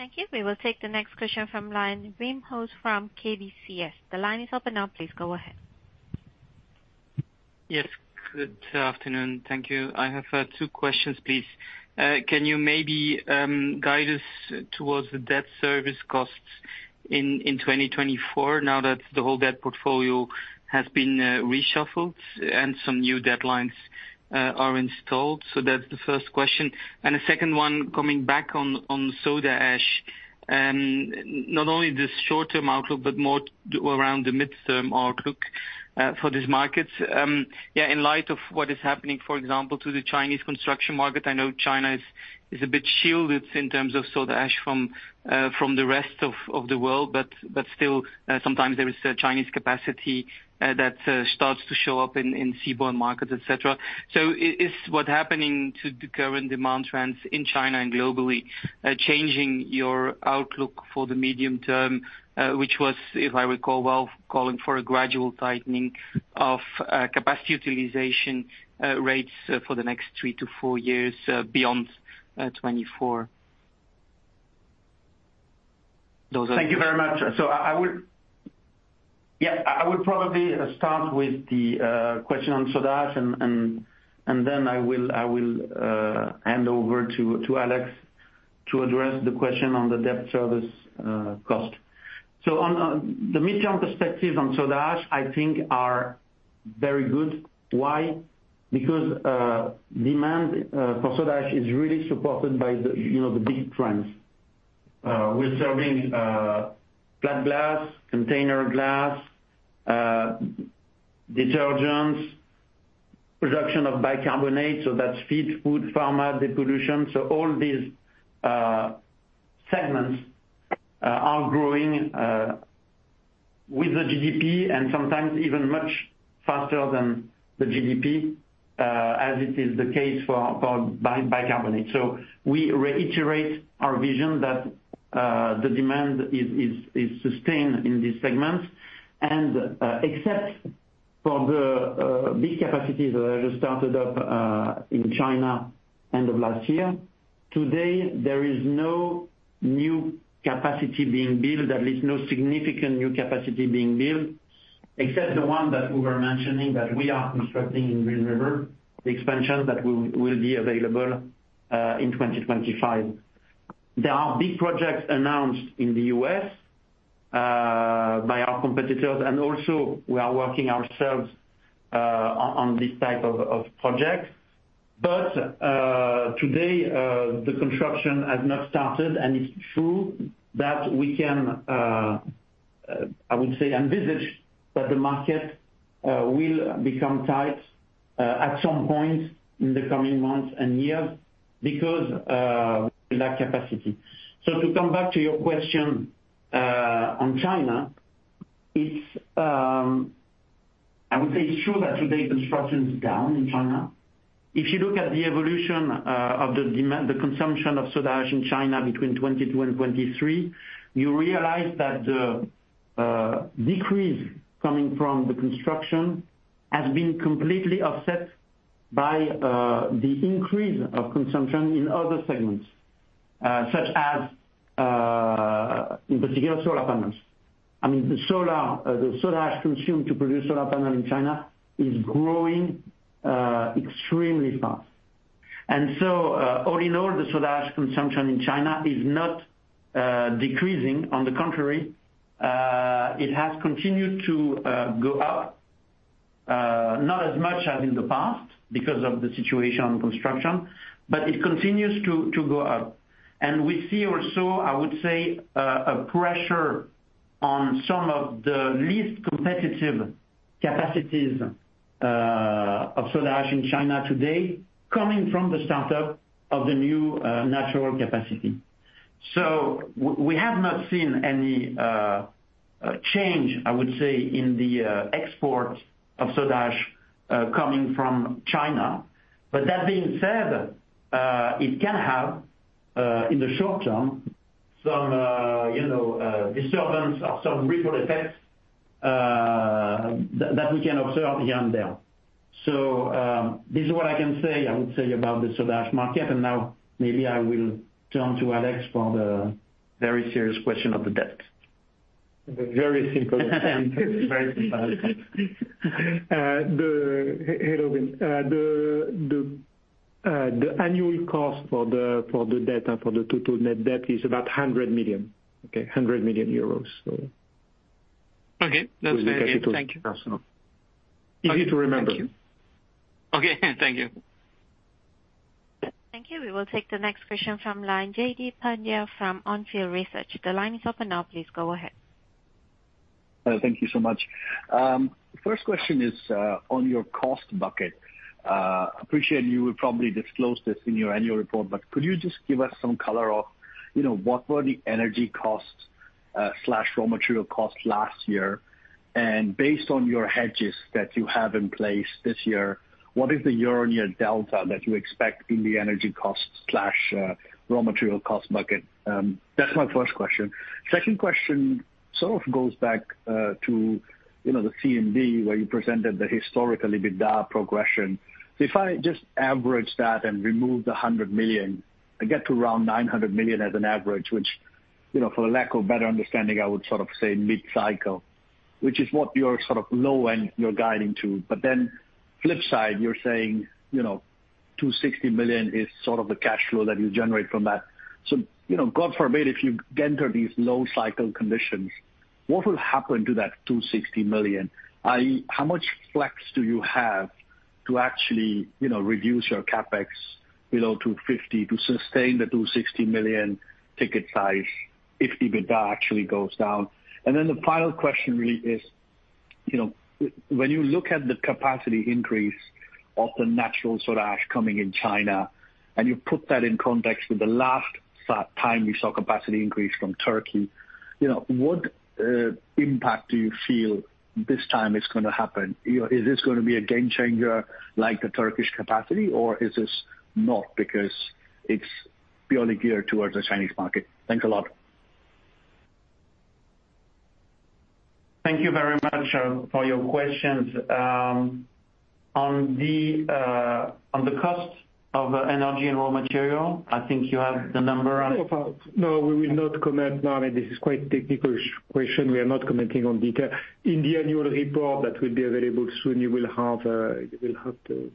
Thank you. We will take the next question from line, Wim Hoste from KBC Securities. The line is open now, please go ahead. Yes, good afternoon. Thank you. I have two questions, please. Can you maybe guide us towards the debt service costs in 2024, now that the whole debt portfolio has been reshuffled and some new deadlines are installed? So that's the first question. And the second one, coming back on soda ash, not only the short-term outlook, but more around the midterm outlook for this market. Yeah, in light of what is happening, for example, to the Chinese construction market, I know China is a bit shielded in terms of soda ash from the rest of the world, but still, sometimes there is a Chinese capacity that starts to show up in seaborne markets, et cetera. So, is what's happening to the current demand trends in China and globally changing your outlook for the medium term, which was, if I recall well, calling for a gradual tightening of capacity utilization rates for the next three to four years beyond 2024? Those are- Thank you very much. So I will probably start with the question on soda ash, and then I will hand over to Alex to address the question on the debt service cost. So on the midterm perspective on soda ash, I think are very good. Why? Because demand for soda ash is really supported by the, you know, the big trends. We're serving flat glass, container glass, detergents, production of bicarbonate, so that's feed, food, pharma, depollution. So all these segments are growing with the GDP and sometimes even much faster than the GDP, as it is the case for bicarbonate. So we reiterate our vision that the demand is sustained in these segments. Except for the big capacities that I just started up in China, end of last year, today, there is no new capacity being built, at least no significant new capacity being built, except the one that we were mentioning, that we are constructing in Green River, the expansion that will be available in 2025. There are big projects announced in the U.S. by our competitors, and also we are working ourselves on this type of projects. But today, the construction has not started, and it's true that we can, I would say, envisage that the market will become tight at some point in the coming months and years because we lack capacity. To come back to your question on China, it's I would say it's true that today, construction is down in China. If you look at the evolution of the demand, the consumption of soda ash in China between 2022 and 2023, you realize that the decrease coming from the construction has been completely offset by the increase of consumption in other segments, such as, in particular, solar panels. I mean, the solar, the soda ash consumed to produce solar panel in China is growing extremely fast. And so, all in all, the soda ash consumption in China is not decreasing. On the contrary, it has continued to go up, not as much as in the past, because of the situation on construction, but it continues to go up. And we see also, I would say, a pressure on some of the least competitive-... Capacities of soda ash in China today, coming from the startup of the new natural capacity. So we have not seen any change, I would say, in the export of soda ash coming from China. But that being said, it can have, in the short term, some you know disturbance or some ripple effects that we can observe here and there. So this is what I can say, I would say about the soda ash market, and now maybe I will turn to Alex for the very serious question of the debt. Hey, Logan, the annual cost for the debt for the total net debt is about 100 million, okay? 100 million euros, so. Okay, that's very good. Thank you. Easy to remember. Thank you. Okay, thank you. Thank you. We will take the next question from line, Jaideep Pandya from On Field Research. The line is open now, please go ahead. Thank you so much. First question is on your cost bucket. Appreciate you will probably disclose this in your annual report, but could you just give us some color of, you know, what were the energy costs slash raw material costs last year? And based on your hedges that you have in place this year, what is the year-on-year delta that you expect in the energy cost slash raw material cost bucket? That's my first question. Second question sort of goes back to, you know, the CMD, where you presented the historical EBITDA progression. If I just average that and remove the 100 million, I get to around 900 million as an average, which, you know, for lack of better understanding, I would sort of say mid-cycle, which is what you're sort of low and you're guiding to. But then flip side, you're saying, you know, 260 million is sort of the cash flow that you generate from that. So, you know, God forbid, if you enter these low cycle conditions, what will happen to that 260 million? How much flex do you have to actually, you know, reduce your CapEx below 250 million to sustain the 260 million ticket size, if the EBITDA actually goes down? And then the final question really is, you know, when you look at the capacity increase of the natural soda ash coming in China, and you put that in context with the last time we saw capacity increase from Turkey, you know, what impact do you feel this time it's gonna happen? You know, is this gonna be a game changer like the Turkish capacity, or is this not because it's purely geared towards the Chinese market? Thanks a lot. Thank you very much for your questions. On the cost of energy and raw material, I think you have the number of- No, we will not comment. No, I mean, this is quite a technical question. We are not commenting on detail. In the annual report that will be available soon, you will have, you will have the...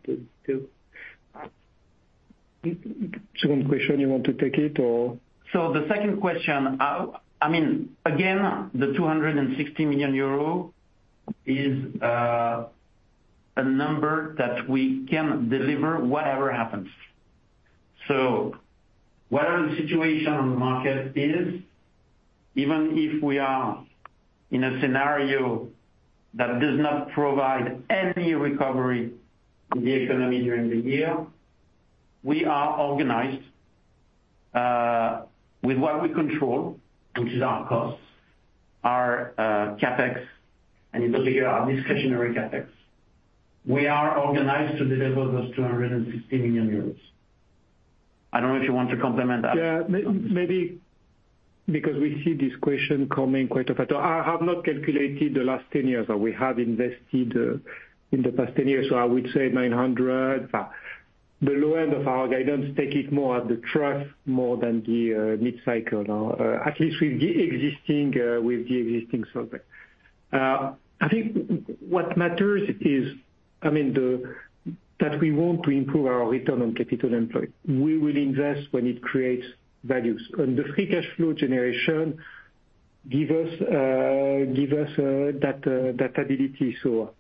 Second question, you want to take it or? So the second question, I mean, again, the 260 million euro is a number that we can deliver whatever happens. So whatever the situation on the market is, even if we are in a scenario that does not provide any recovery in the economy during the year, we are organized with what we control, which is our costs, our CapEx, and in particular, our discretionary CapEx. We are organized to deliver those 260 million euros. I don't know if you want to complement that. Yeah, maybe because we see this question coming quite often. I have not calculated the last 10 years, but we have invested in the past 10 years, so I would say 900. The low end of our guidance, take it more at the trough, more than the mid-cycle, at least with the existing Solvay. I think what matters is, I mean, that we want to improve our return on capital employed. We will invest when it creates values. And the free cash flow generation give us that ability. So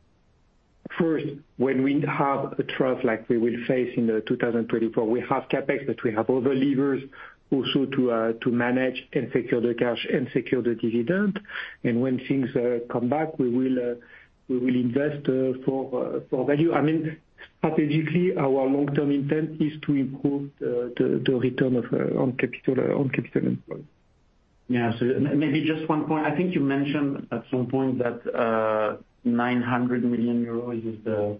first, when we have a trough like we will face in 2024, we have CapEx, but we have other levers also to manage and secure the cash and secure the dividend. When things come back, we will invest for value. I mean, strategically, our long-term intent is to improve the return on capital employed. Yeah, so maybe just one point. I think you mentioned at some point that, 900 million euros is the,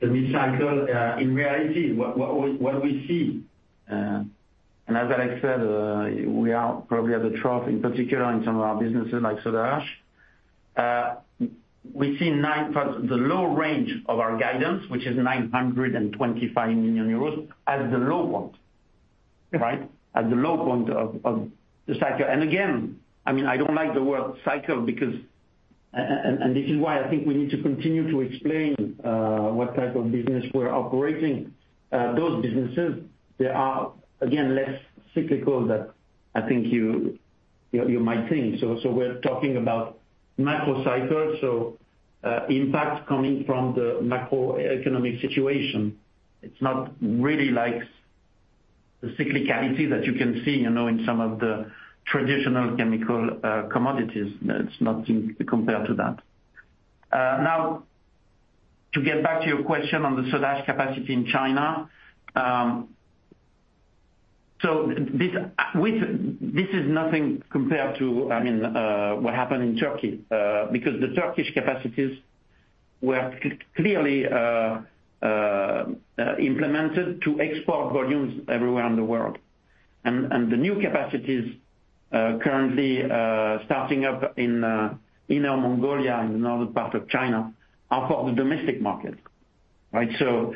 the mid-cycle. In reality, what we see, and as Alex said, we are probably at the trough, in particular in some of our businesses, like soda ash. We see nine... The low range of our guidance, which is 925 million euros, as the low point. Okay. Right? As the low point of the cycle. And again, I mean, I don't like the word cycle because... And this is why I think we need to continue to explain what type of business we're operating. Those businesses, they are, again, less cyclical than I think you might think. So we're talking about macro cycles, so impacts coming from the macroeconomic situation. It's not really like the cyclicality that you can see, you know, in some of the traditional chemical commodities. That's nothing compared to that. Now, to get back to your question on the soda ash capacity in China. So this is nothing compared to, I mean, what happened in Turkey, because the Turkish capacities were clearly implemented to export volumes everywhere in the world. The new capacities currently starting up in Inner Mongolia, in the northern part of China, are for the domestic market, right? So,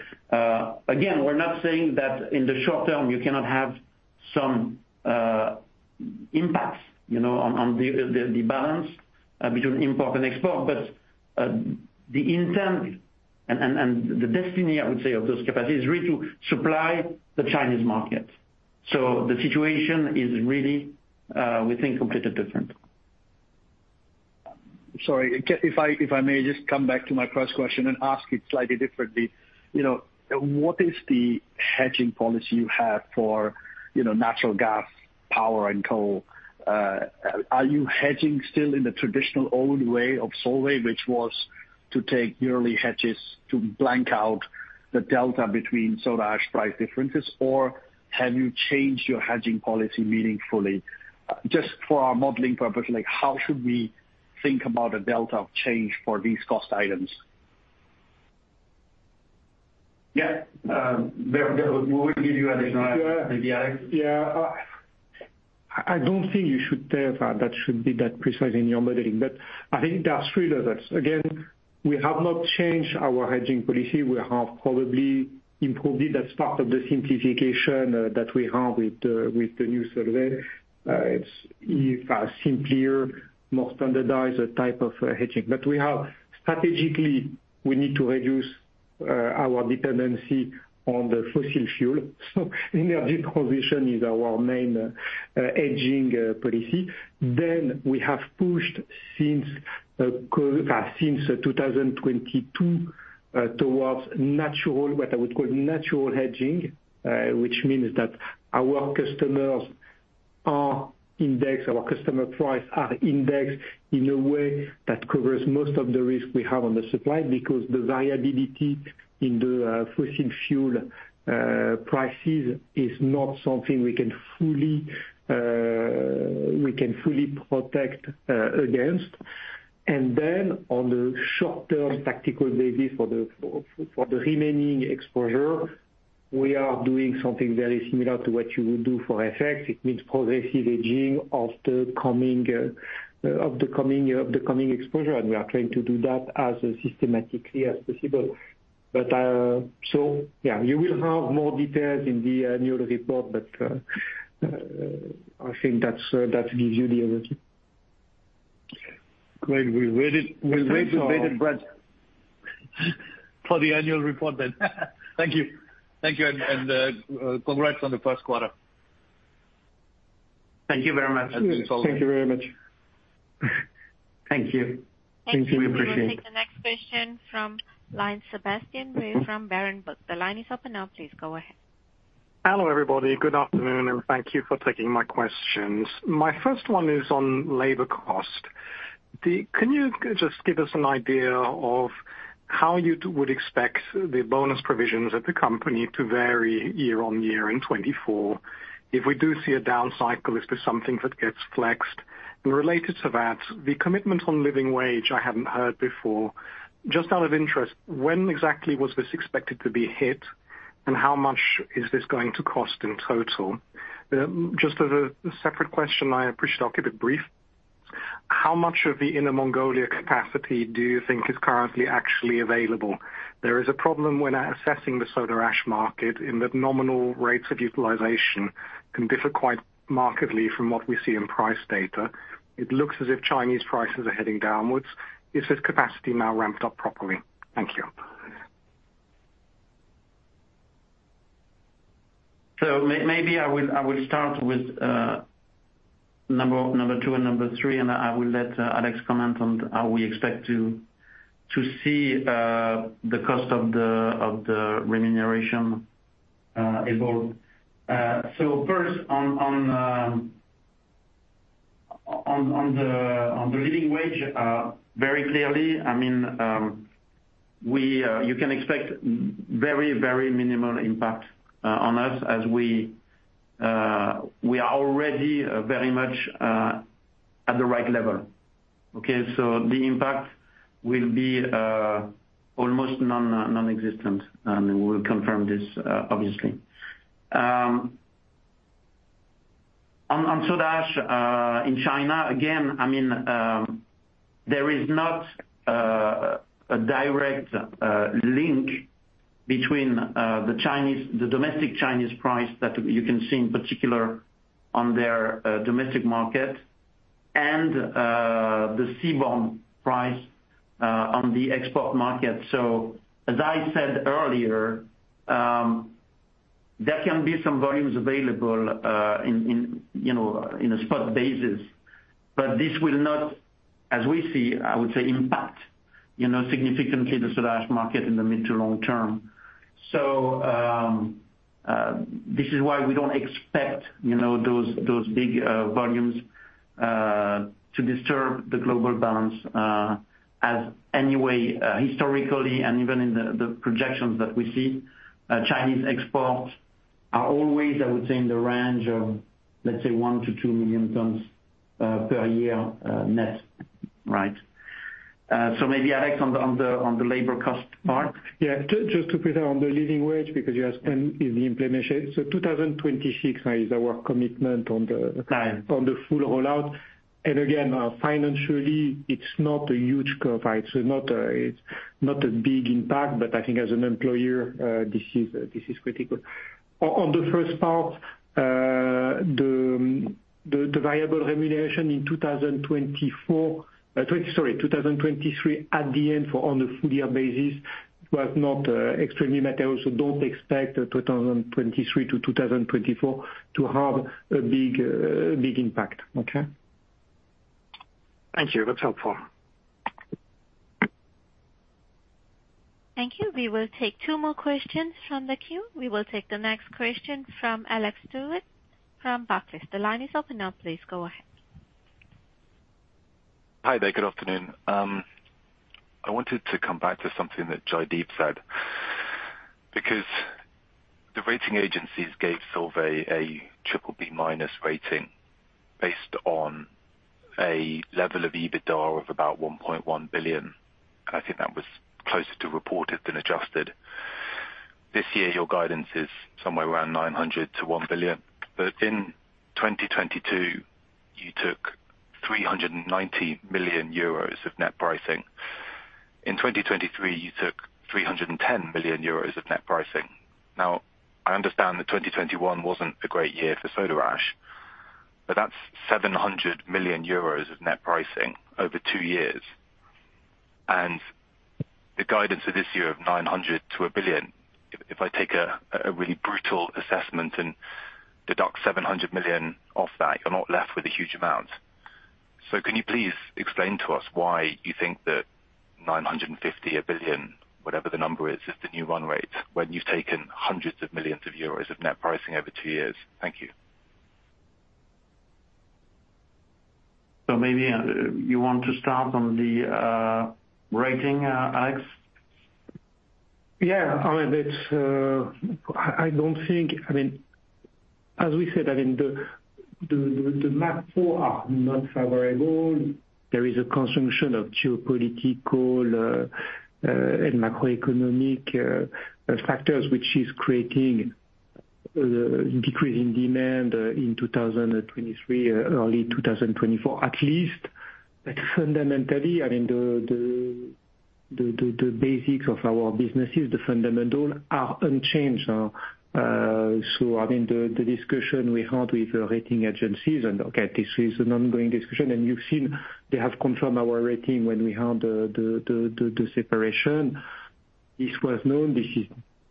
again, we're not saying that in the short term, you cannot have some impacts, you know, on the balance between import and export. But the intent and the destiny, I would say, of those capacities is really to supply the Chinese market. So the situation is really, we think, completely different. If I may just come back to my first question and ask it slightly differently. You know, what is the hedging policy you have for, you know, natural gas, power, and coal? Are you hedging still in the traditional old way of Solvay, which was to take yearly hedges to blank out the delta between soda ash price differences, or have you changed your hedging policy meaningfully? Just for our modeling purpose, like, how should we think about a delta of change for these cost items? Yeah, we will give you additional, maybe, Alex? Yeah. I don't think you should care that that should be that precise in your modeling, but I think there are three levels. Again, we have not changed our hedging policy. We have probably improved it as part of the simplification that we have with the new Solvay. It's a simpler, more standardized type of hedging. But we have strategically we need to reduce our dependency on the fossil fuel. So energy position is our main hedging policy. Then, we have pushed since 2022 towards natural, what I would call natural hedging, which means that our customers are indexed, our customer price are indexed in a way that covers most of the risk we have on the supply, because the variability in the fossil fuel prices is not something we can fully protect against. And then, on the short-term tactical basis for the remaining exposure, we are doing something very similar to what you would do for FX. It means progressive hedging of the coming year of the coming exposure, and we are trying to do that as systematically as possible. But so yeah, you will have more details in the annual report, but I think that gives you the overview. Great. We wait with bated breath for the annual report then. Thank you. Thank you, and congrats on the first quarter. Thank you very much. Thank you very much. Thank you. Thank you. We appreciate it. We will take the next question from line, Sebastian Bray from Berenberg. The line is open now. Please go ahead. Hello, everybody. Good afternoon, and thank you for taking my questions. My first one is on labor cost. Can you just give us an idea of how you would expect the bonus provisions at the company to vary year on year in 2024? If we do see a down cycle, is this something that gets flexed? And related to that, the commitment on living wage, I hadn't heard before. Just out of interest, when exactly was this expected to be hit, and how much is this going to cost in total? Just as a separate question, I appreciate, I'll keep it brief. How much of the Inner Mongolia capacity do you think is currently actually available? There is a problem when assessing the soda ash market, in that nominal rates of utilization can differ quite markedly from what we see in price data. It looks as if Chinese prices are heading downwards. Is this capacity now ramped up properly? Thank you. So maybe I will start with number two and number three, and I will let Alex comment on how we expect to see the cost of the remuneration evolve. So first on the living wage, very clearly, I mean, you can expect very, very minimal impact on us, as we are already very much at the right level, okay? So the impact will be almost non-existent, and we will confirm this obviously. On soda ash in China, again, I mean, there is not a direct link between the Chinese the domestic Chinese price that you can see in particular on their domestic market, and the seaborne price on the export market. So, as I said earlier, there can be some volumes available, you know, in a spot basis. But this will not, as we see, I would say, impact, you know, significantly the soda ash market in the mid to long term. So, this is why we don't expect, you know, those big volumes to disturb the global balance, as anyway, historically and even in the projections that we see, Chinese exports are always, I would say, in the range of, let's say, 1-2 million tons per year, net, right? So maybe, Alex, on the labor cost part. Yeah, just to put it on the Living wage, because you asked when is the implementation. So 2026, right, is our commitment on the- Right On the full rollout. And again, financially, it's not a huge curve, right? So not a, it's not a big impact, but I think as an employer, this is, this is critical. On the first part, the variable remuneration in 2024, sorry, 2023, at the end for on the full year basis, was not extremely material, so don't expect 2023 to 2024 to have a big, a big impact. Okay? Thank you. That's helpful. Thank you. We will take two more questions from the queue. We will take the next question from Alex Stewart from Barclays. The line is open now, please go ahead. Hi there. Good afternoon. I wanted to come back to something that Jaideep said, because the rating agencies gave Solvay a triple B minus rating based on a level of EBITDA of about 1.1 billion, and I think that was closer to reported than adjusted. This year, your guidance is somewhere around 900 million-1 billion, but in 2022, you took 390 million euros of net pricing. In 2023, you took 310 million euros of net pricing. Now, I understand that 2021 wasn't a great year for soda ash, but that's 700 million euros of net pricing over two years. The guidance for this year of 900 million-1 billion, if I take a really brutal assessment and deduct 700 million off that, you're not left with a huge amount. Can you please explain to us why you think that 950 million, whatever the number is, is the new run rate, when you've taken hundreds of millions EUR of net pricing over two years? Thank you. Maybe you want to start on the rating, Alex? Yeah, I mean, it's... I don't think—I mean, as we said, I mean, the macro are not favorable. There is a constellation of geopolitical and macroeconomic factors, which is creating decrease in demand in 2023, early 2024. At least, like, fundamentally, I mean, the basics of our businesses, the fundamentals, are unchanged. So I mean, the discussion we had with the rating agencies, and okay, this is an ongoing discussion, and you've seen they have confirmed our rating when we had the separation. This was known, this is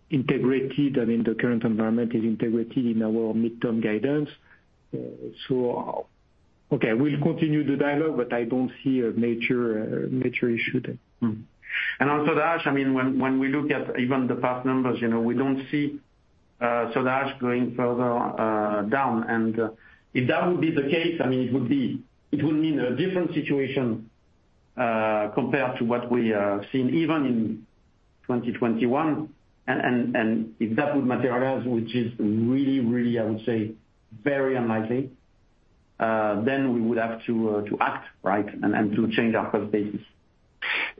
integrated, I mean, the current environment is integrated in our midterm guidance. So okay, we'll continue the dialogue, but I don't see a major issue there. Mm-hmm. And on Soda Ash, I mean, when we look at even the past numbers, you know, we don't see Soda Ash going further down. And if that would be the case, I mean, it would be, it would mean a different situation compared to what we have seen even in 2021. And if that would materialize, which is really, really, I would say, very unlikely, then we would have to act, right? And to change our cost basis.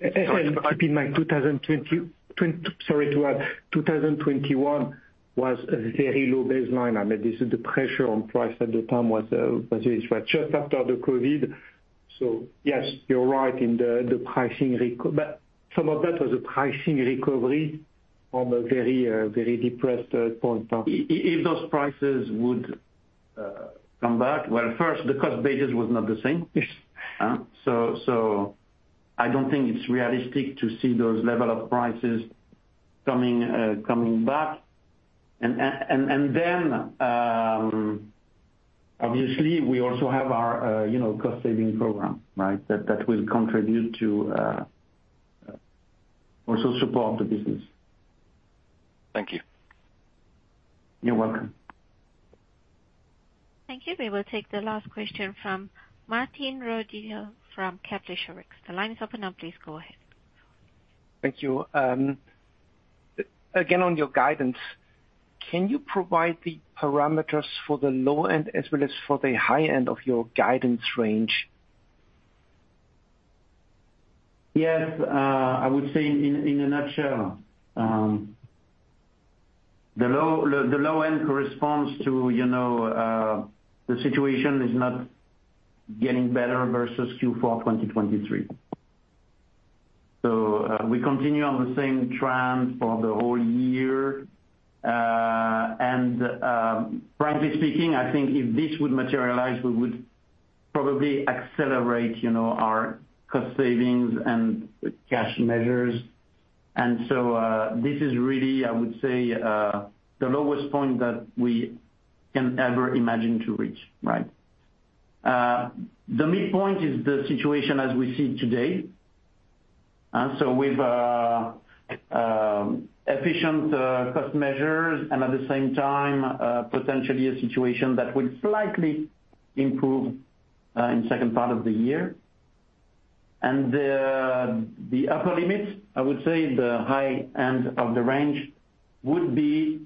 And keep in mind, 2020... Sorry to add, 2021 was a very low baseline. I mean, this is the pressure on price at the time was just after the COVID. So yes, you're right in the pricing rec- But some of that was a pricing recovery from a very, very depressed point of time. If those prices would come back, well, first, the cost basis was not the same. Yes. I don't think it's realistic to see those level of prices coming back. And then, obviously, we also have our, you know, cost saving program, right? That will contribute to also support the business. Thank you. You're welcome. Thank you. We will take the last question from Martin Roediger from Kepler Cheuvreux. The line is open now, please go ahead. Thank you. Again, on your guidance, can you provide the parameters for the low end as well as for the high end of your guidance range? Yes. I would say in, in a nutshell, the low, the low end corresponds to, you know, the situation is not getting better versus Q4 2023. So, we continue on the same trend for the whole year. And, frankly speaking, I think if this would materialize, we would probably accelerate, you know, our cost savings and cash measures. And so, this is really, I would say, the lowest point that we can ever imagine to reach, right? The midpoint is the situation as we see it today. So with, efficient, cost measures, and at the same time, potentially a situation that would slightly improve, in second part of the year. And the upper limit, I would say the high end of the range, would be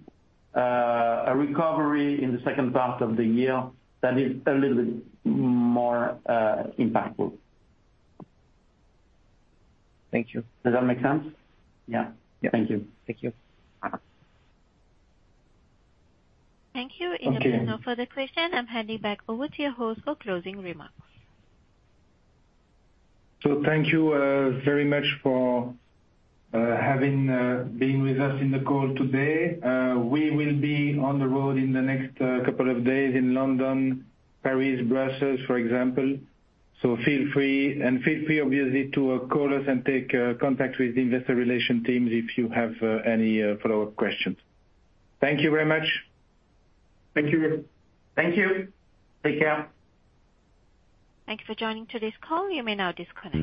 a recovery in the second part of the year that is a little bit more impactful. Thank you. Does that make sense? Yeah. Thank you. Thank you. Thank you. Okay. If there are no further questions, I'm handing back over to your host for closing remarks. Thank you very much for having being with us in the call today. We will be on the road in the next couple of days in London, Paris, Brussels, for example. Feel free and feel free, obviously, to call us and take contact with the investor relation teams, if you have any follow-up questions. Thank you very much. Thank you. Thank you. Take care. Thanks for joining today's call. You may now disconnect.